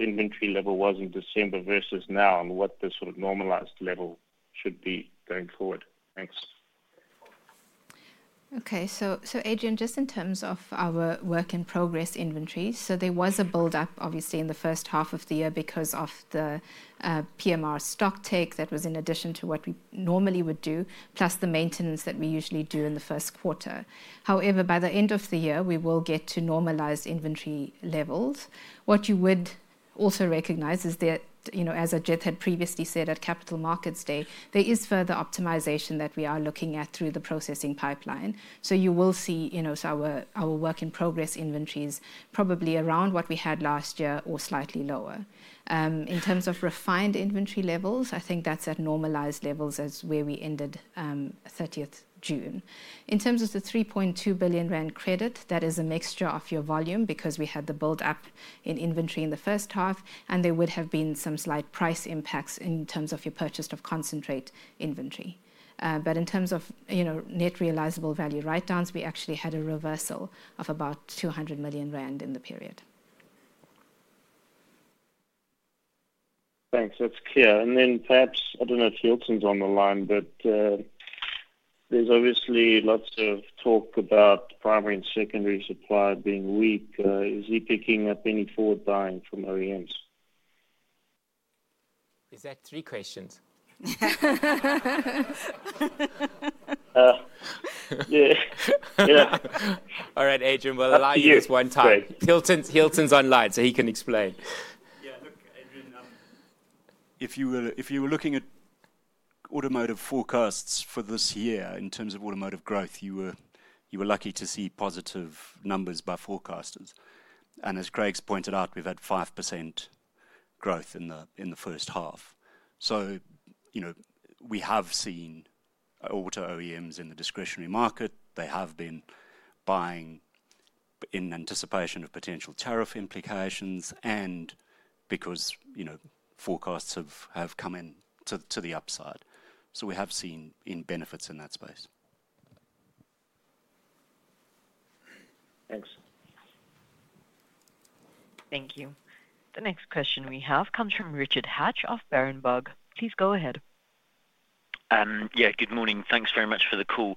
inventory level was in December versus now and what the sort of normalized level should be going forward? Thanks. Okay. So Adrian, just in terms of our work in progress inventory, so there was a build-up, obviously, in the 1st half of the year because of the PMR stock take that was in addition to what we normally would do, plus the maintenance that we usually do in the 1st quarter. However, by the end of the year, we will get to normalized inventory levels. What you would also recognize is that, as Agit had previously said at Capital Markets Day, there is further optimization that we are looking at through the processing pipeline. You will see our work in progress inventories probably around what we had last year or slightly lower. In terms of refined inventory levels, I think that is at normalized levels as where we ended 30th June. In terms of the 3.2 billion rand credit, that is a mixture of your volume because we had the build-up in inventory in the 1st half, and there would have been some slight price impacts in terms of your purchase of concentrate inventory. In terms of net realizable value write-downs, we actually had a reversal of about 200 million rand in the period. Thanks. That is clear. And then perhaps, I do not know if Hilton is on the line, but there is obviously lots of talk about primary and secondary supply being weak. Is he picking up any forward buying from OEMs? Is that three questions? Yeah. All right, Adrian, we will allow you this one time. Hilton is online so he can explain. Yeah. Look, Adrian. If you were looking at automotive forecasts for this year in terms of automotive growth, you were lucky to see positive numbers by forecasters. As Craig has pointed out, we have had 5% growth in the 1st half. We have seen auto-OEMs in the discretionary market. They have been buying in anticipation of potential tariff implications and because forecasts have come in to the upside. We have seen benefits in that space. Thanks. Thank you. The next question we have comes from Richard Hatch of Berenberg. Please go ahead. Yeah. Good morning. Thanks very much for the call.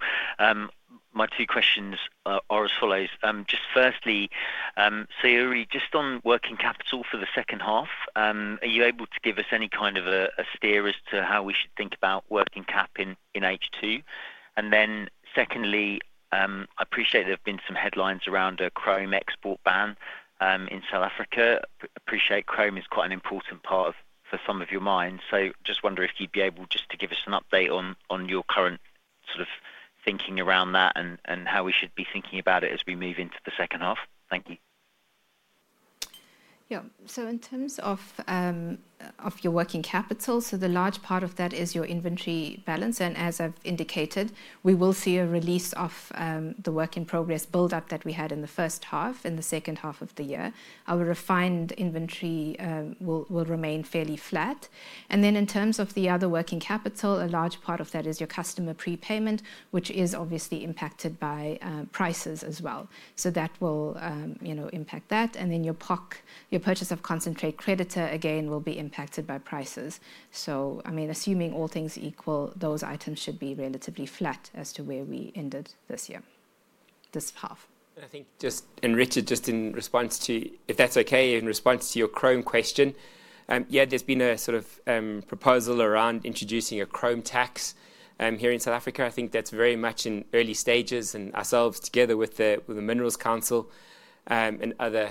My two questions are as follows. Just firstly, Sayurie, just on working capital for the 2nd half, are you able to give us any kind of a steer as to how we should think about working cap in H2? And then secondly, I appreciate there have been some headlines around a chrome export ban in South Africa. I appreciate chrome is quite an important part for some of your mines. Just wondering if you would be able just to give us an update on your current sort of thinking around that and how we should be thinking about it as we move into the 2nd half. Thank you. Yeah. In terms of your working capital, the large part of that is your inventory balance. As I've indicated, we will see a release of the work in progress build-up that we had in the 1st half and the 2nd half of the year. Our refined inventory will remain fairly flat. In terms of the other working capital, a large part of that is your customer prepayment, which is obviously impacted by prices as well. That will impact that. Your purchase of concentrate creditor again will be impacted by prices. I mean, assuming all things equal, those items should be relatively flat as to where we ended this year, this half. I think just, and Richard, just in response to, if that's okay, in response to your chrome question, yeah, there's been a sort of proposal around introducing a chrome tax here in South Africa. I think that's very much in early stages. Ourselves, together with the Minerals Council and other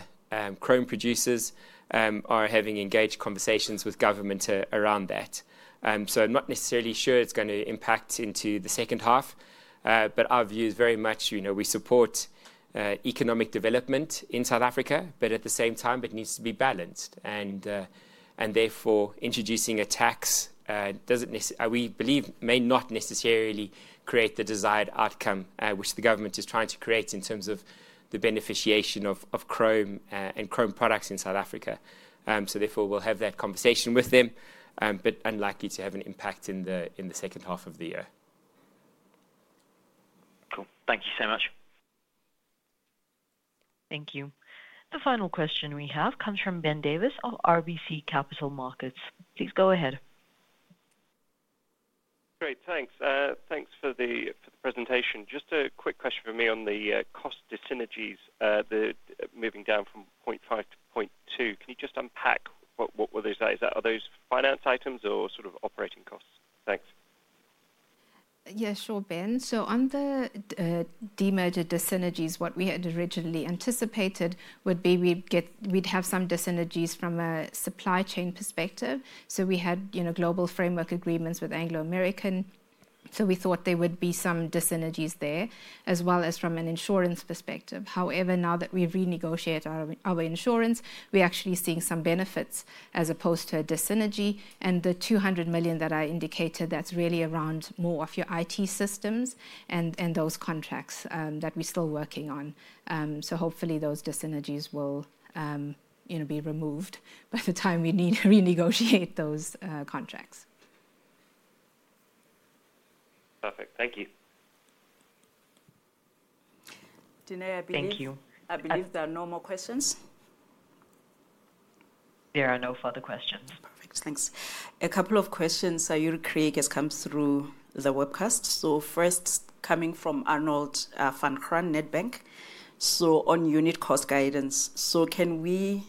chrome producers, are having engaged conversations with government around that. I'm not necessarily sure it's going to impact into the 2nd half, but our view is very much we support economic development in South Africa, but at the same time, it needs to be balanced. Therefore introducing a tax doesn't necessarily, we believe, may not necessarily create the desired outcome which the government is trying to create in terms of the beneficiation of chrome and chrome products in South Africa. Therefore, we'll have that conversation with them, but unlikely to have an impact in the 2nd half of the year. Cool. Thank you so much. Thank you. The final question we have comes from Ben Davis of RBC Capital Markets. Please go ahead. Great. Thanks. Thanks for the presentation. Just a quick question for me on the cost of synergies, moving down from $0.5 million to $0.2 million. Can you just unpack what were those? Are those finance items or sort of operating costs? Thanks. Yeah, sure, Ben. On the demerger to synergies, what we had originally anticipated would be we'd have some synergies from a supply chain perspective. We had global framework agreements with Anglo American. We thought there would be some synergies there, as well as from an insurance perspective. However, now that we've renegotiated our insurance, we're actually seeing some benefits as opposed to a synergy. The $200 million that I indicated, that's really around more of your IT systems and those contracts that we're still working on. Hopefully those synergies will be removed by the time we need to renegotiate those contracts. Perfect. Thank you. Thank you. I believe there are no more questions. There are no further questions. Perfect. Thanks. A couple of questions, Sayurie, have come through the webcast. 1st, coming from Arnold Fan, Crn Netbank. On unit cost guidance, can we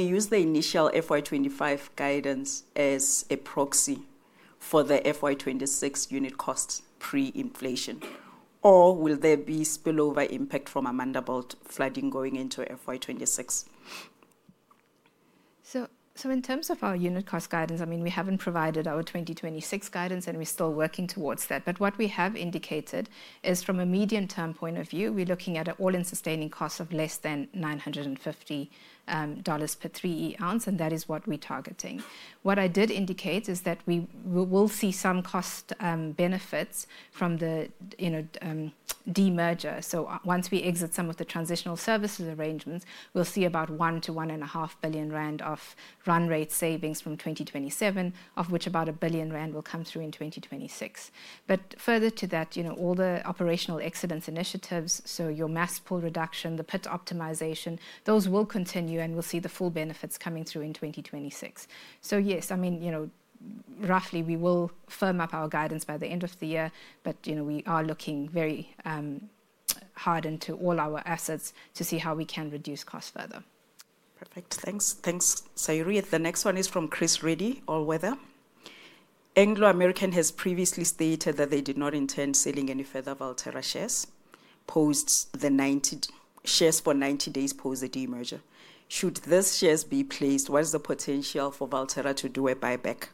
use the initial FY 2025 guidance as a proxy for the FY 2026 unit cost pre-inflation? Or will there be spillover impact from Amandelbult flooding going into FY 2026? So in terms of our unit cost guidance, I mean, we haven't provided our 2026 guidance, and we're still working towards that. What we have indicated is from a medium-term point of view, we're looking at an All-in Sustaining Cost of less than $950 per 3E Ounce, and that is what we're targeting. What I did indicate is that we will see some cost benefits from the demerger. Once we exit some of the transitional service arrangements, we'll see about 1 billion-1.5 billion rand of run rate savings from 2027, of which about 1 billion rand will come through in 2026. Further to that, all the operational excellence initiatives, so your mass pull reduction, the pit optimization, those will continue, and we'll see the full benefits coming through in 2026. Yes, I mean, roughly we will firm up our guidance by the end of the year, but we are looking very hard into all our assets to see how we can reduce costs further. Perfect. Thanks. Thanks, Sayurie. The next one is from Chris Reddy, All Weather. Anglo American has previously stated that they did not intend selling any further Valterra shares for 90 days post the demerger. Should these shares be placed, what is the potential for Valterra to do a buyback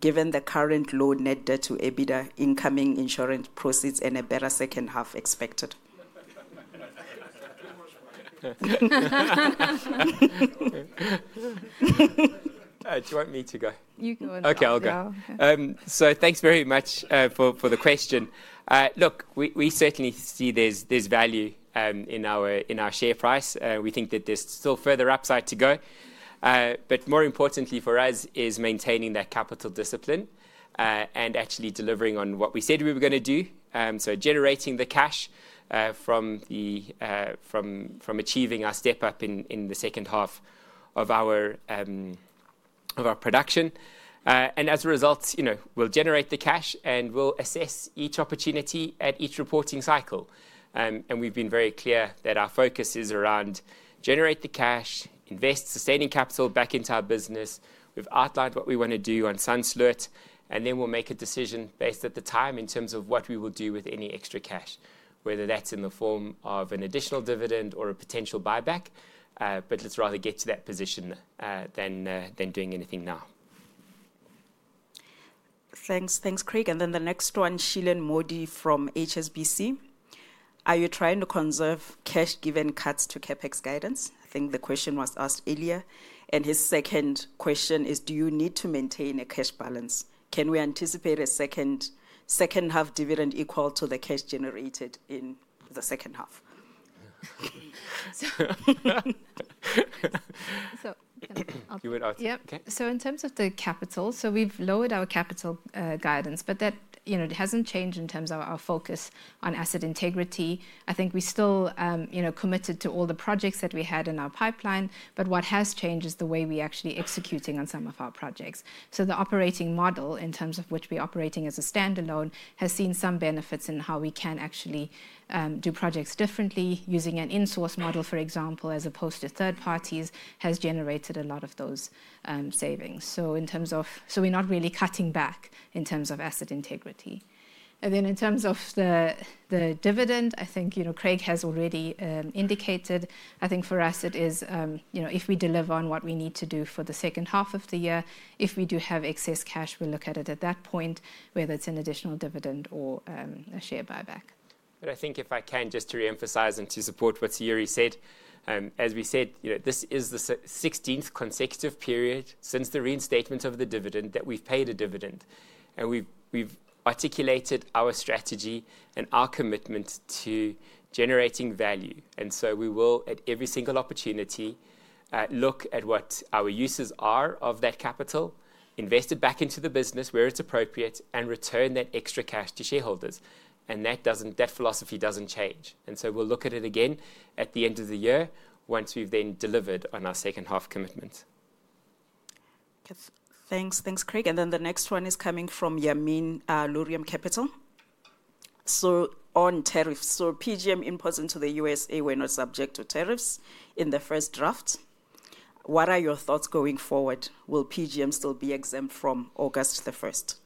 given the current low net debt-to-EBITDA, incoming insurance proceeds, and a better 2nd half expected? Do you want me to go? You can go. Okay, I'll go. Thanks very much for the question. Look, we certainly see there's value in our share price. We think that there's still further upside to go. More importantly for us is maintaining that capital discipline and actually delivering on what we said we were going to do. Generating the cash from achieving our step-up in the 2nd half of our production. As a result, we'll generate the cash and we'll assess each opportunity at each reporting cycle. We've been very clear that our focus is around generate the cash, invest sustaining capital back into our business. We've outlined what we want to do on Sandsloot, and then we'll make a decision based at the time in terms of what we will do with any extra cash, whether that's in the form of an additional dividend or a potential buyback. Let's rather get to that position than doing anything now. Thanks. Thanks, Craig. The next one, Shilan Modi from HSBC. Are you trying to conserve cash given cuts to CapEx guidance? I think the question was asked earlier. His 2nd question is, do you need to maintain a cash balance? Can we anticipate a 2nd half dividend equal to the cash generated in the 2nd half? You would ask that? Yeah. Okay. In terms of the capital, we've lowered our capital guidance, but that hasn't changed in terms of our focus on asset integrity. I think we still. Committed to all the projects that we had in our pipeline, but what has changed is the way we actually executing on some of our projects. The operating model in terms of which we're operating as a standalone has seen some benefits in how we can actually do projects differently using an in-source model, for example, as opposed to 3rd parties, has generated a lot of those savings. In terms of, we're not really cutting back in terms of asset integrity. In terms of the dividend, I think Craig has already indicated, I think for us it is if we deliver on what we need to do for the 2nd half of the year, if we do have excess cash, we'll look at it at that point, whether it's an additional dividend or a share buyback. I think if I can just to re-emphasize and to support what Sayurie said, as we said, this is the 16th consecutive period since the reinstatement of the dividend that we've paid a dividend. We've articulated our strategy and our commitment to generating value. We will, at every single opportunity, look at what our uses are of that capital, invest it back into the business where it's appropriate, and return that extra cash to shareholders. That philosophy doesn't change. We'll look at it again at the end of the year once we've then delivered on our 2nd half commitment. Thanks. Thanks, Craig. The next one is coming from Yamin Luriem Capital. On tariffs, PGM imports into the U.S. were not subject to tariffs in the 1st draft. What are your thoughts going forward? Will PGM still be exempt from August 1st?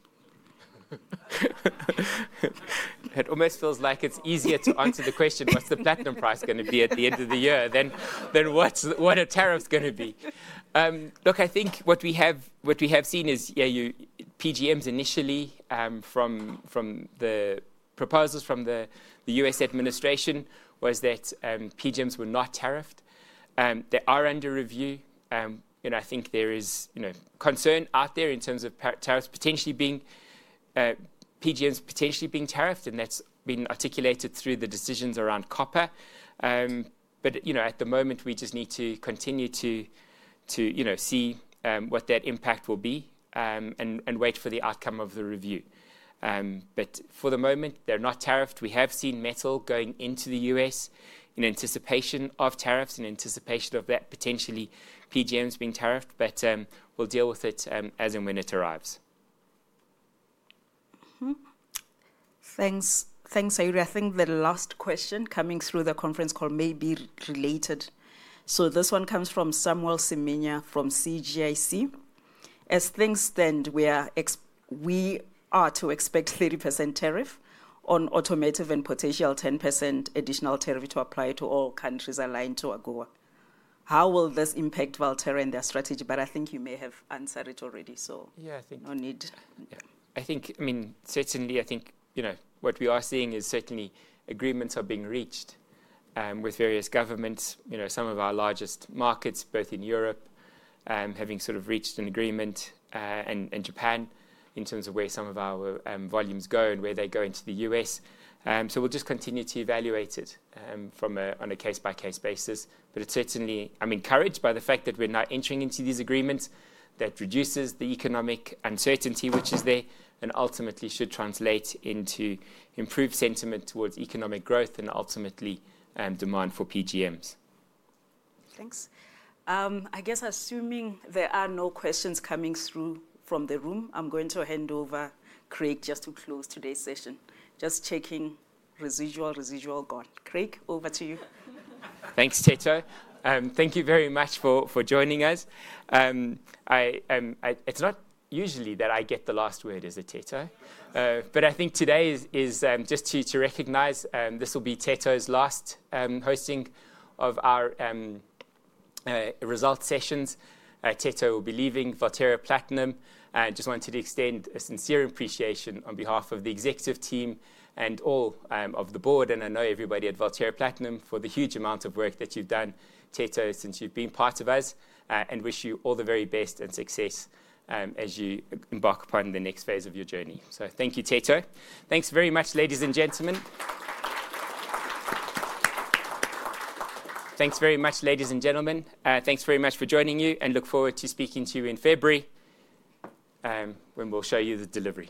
It almost feels like it's easier to answer the question, what's the platinum price going to be at the end of the year than what are tariffs going to be? Look, I think what we have seen is, yeah, PGMs initially from the proposals from the U.S. administration was that PGMs were not tariffed. They are under review. I think there is concern out there in terms of tariffs potentially being, PGMs potentially being tariffed, and that's been articulated through the decisions around copper. At the moment, we just need to continue to see what that impact will be and wait for the outcome of the review. For the moment, they're not tariffed. We have seen metal going into the U.S. in anticipation of tariffs, in anticipation of that potentially PGMs being tariffed, but we'll deal with it as and when it arrives. Thanks, Sayurie. I think the last question coming through the conference call may be related. This one comes from Samuel Semenya from CGIC. As things stand, we are to expect 30% tariff on automotive and potential 10% additional tariff to apply to all countries aligned to AGOA. How will this impact Valterra and their strategy? But I think you may have answered it already, so no need. Yeah. I mean, certainly, I think what we are seeing is certainly agreements are being reached with various governments. Some of our largest markets, both in Europe, having sort of reached an agreement. And Japan in terms of where some of our volumes go and where they go into the U.S. So we'll just continue to evaluate it on a case-by-case basis. But certainly, I'm encouraged by the fact that we're now entering into these agreements that reduces the economic uncertainty, which is there, and ultimately should translate into improved sentiment towards economic growth and ultimately demand for PGMs. Thanks. I guess assuming there are no questions coming through from the room, I'm going to hand over Craig just to close today's session. Just checking residual, residual gone. Craig, over to you. Thanks, Theto. Thank you very much for joining us. It's not usually that I get the last word as a Theto, but I think today is just to recognize this will be Theto's last hosting of our result sessions. Theto will be leaving Valterra Platinum and just wanted to extend a sincere appreciation on behalf of the executive team and all of the board. And I know everybody at Valterra Platinum for the huge amount of work that you've done, Theto, since you've been part of us, and wish you all the very best and success as you embark upon the next phase of your journey. So thank you, Theto. Thanks very much, ladies and gentlemen. Thanks very much, ladies and gentlemen. Thanks very much for joining you, and look forward to speaking to you in February when we'll show you the delivery.